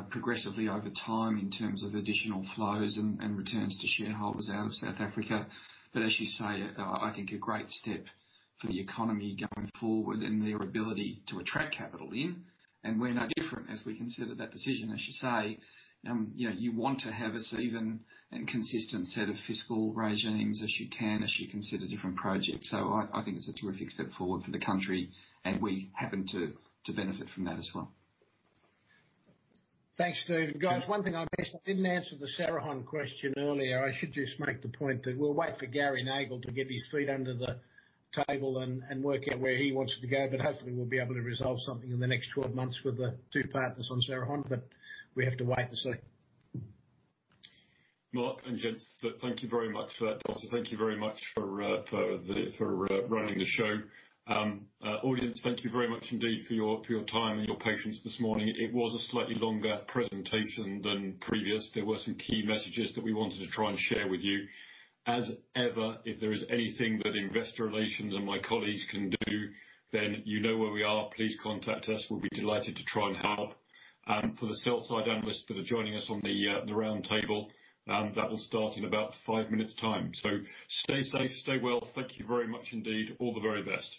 progressively over time in terms of additional flows and returns to shareholders out of South Africa. As you say, I think a great step for the economy going forward and their ability to attract capital in, and we're no different as we consider that decision. As you say, you want to have as even and consistent set of fiscal regimes as you can, as you consider different projects. I think it's a terrific step forward for the country, and we happen to benefit from that as well. Thanks, Stephen. Guys, one thing I guess I didn't answer the Cerrejón question earlier. I should just make the point that we'll wait for Gary Nagle to get his feet under the table and work out where he wants to go. Hopefully, we'll be able to resolve something in the next 12 months with the two partners on Cerrejón. We have to wait and see. Mark and gents, thank you very much for that. Thank you very much for running the show. Audience, thank you very much indeed for your time and your patience this morning. It was a slightly longer presentation than previous. There were some key messages that we wanted to try and share with you. As ever, if there is anything that investor relations and my colleagues can do, then you know where we are. Please contact us. We'll be delighted to try and help. For the sell-side analysts that are joining us on the round table, that will start in about five minutes' time. Stay safe, stay well. Thank you very much indeed. All the very best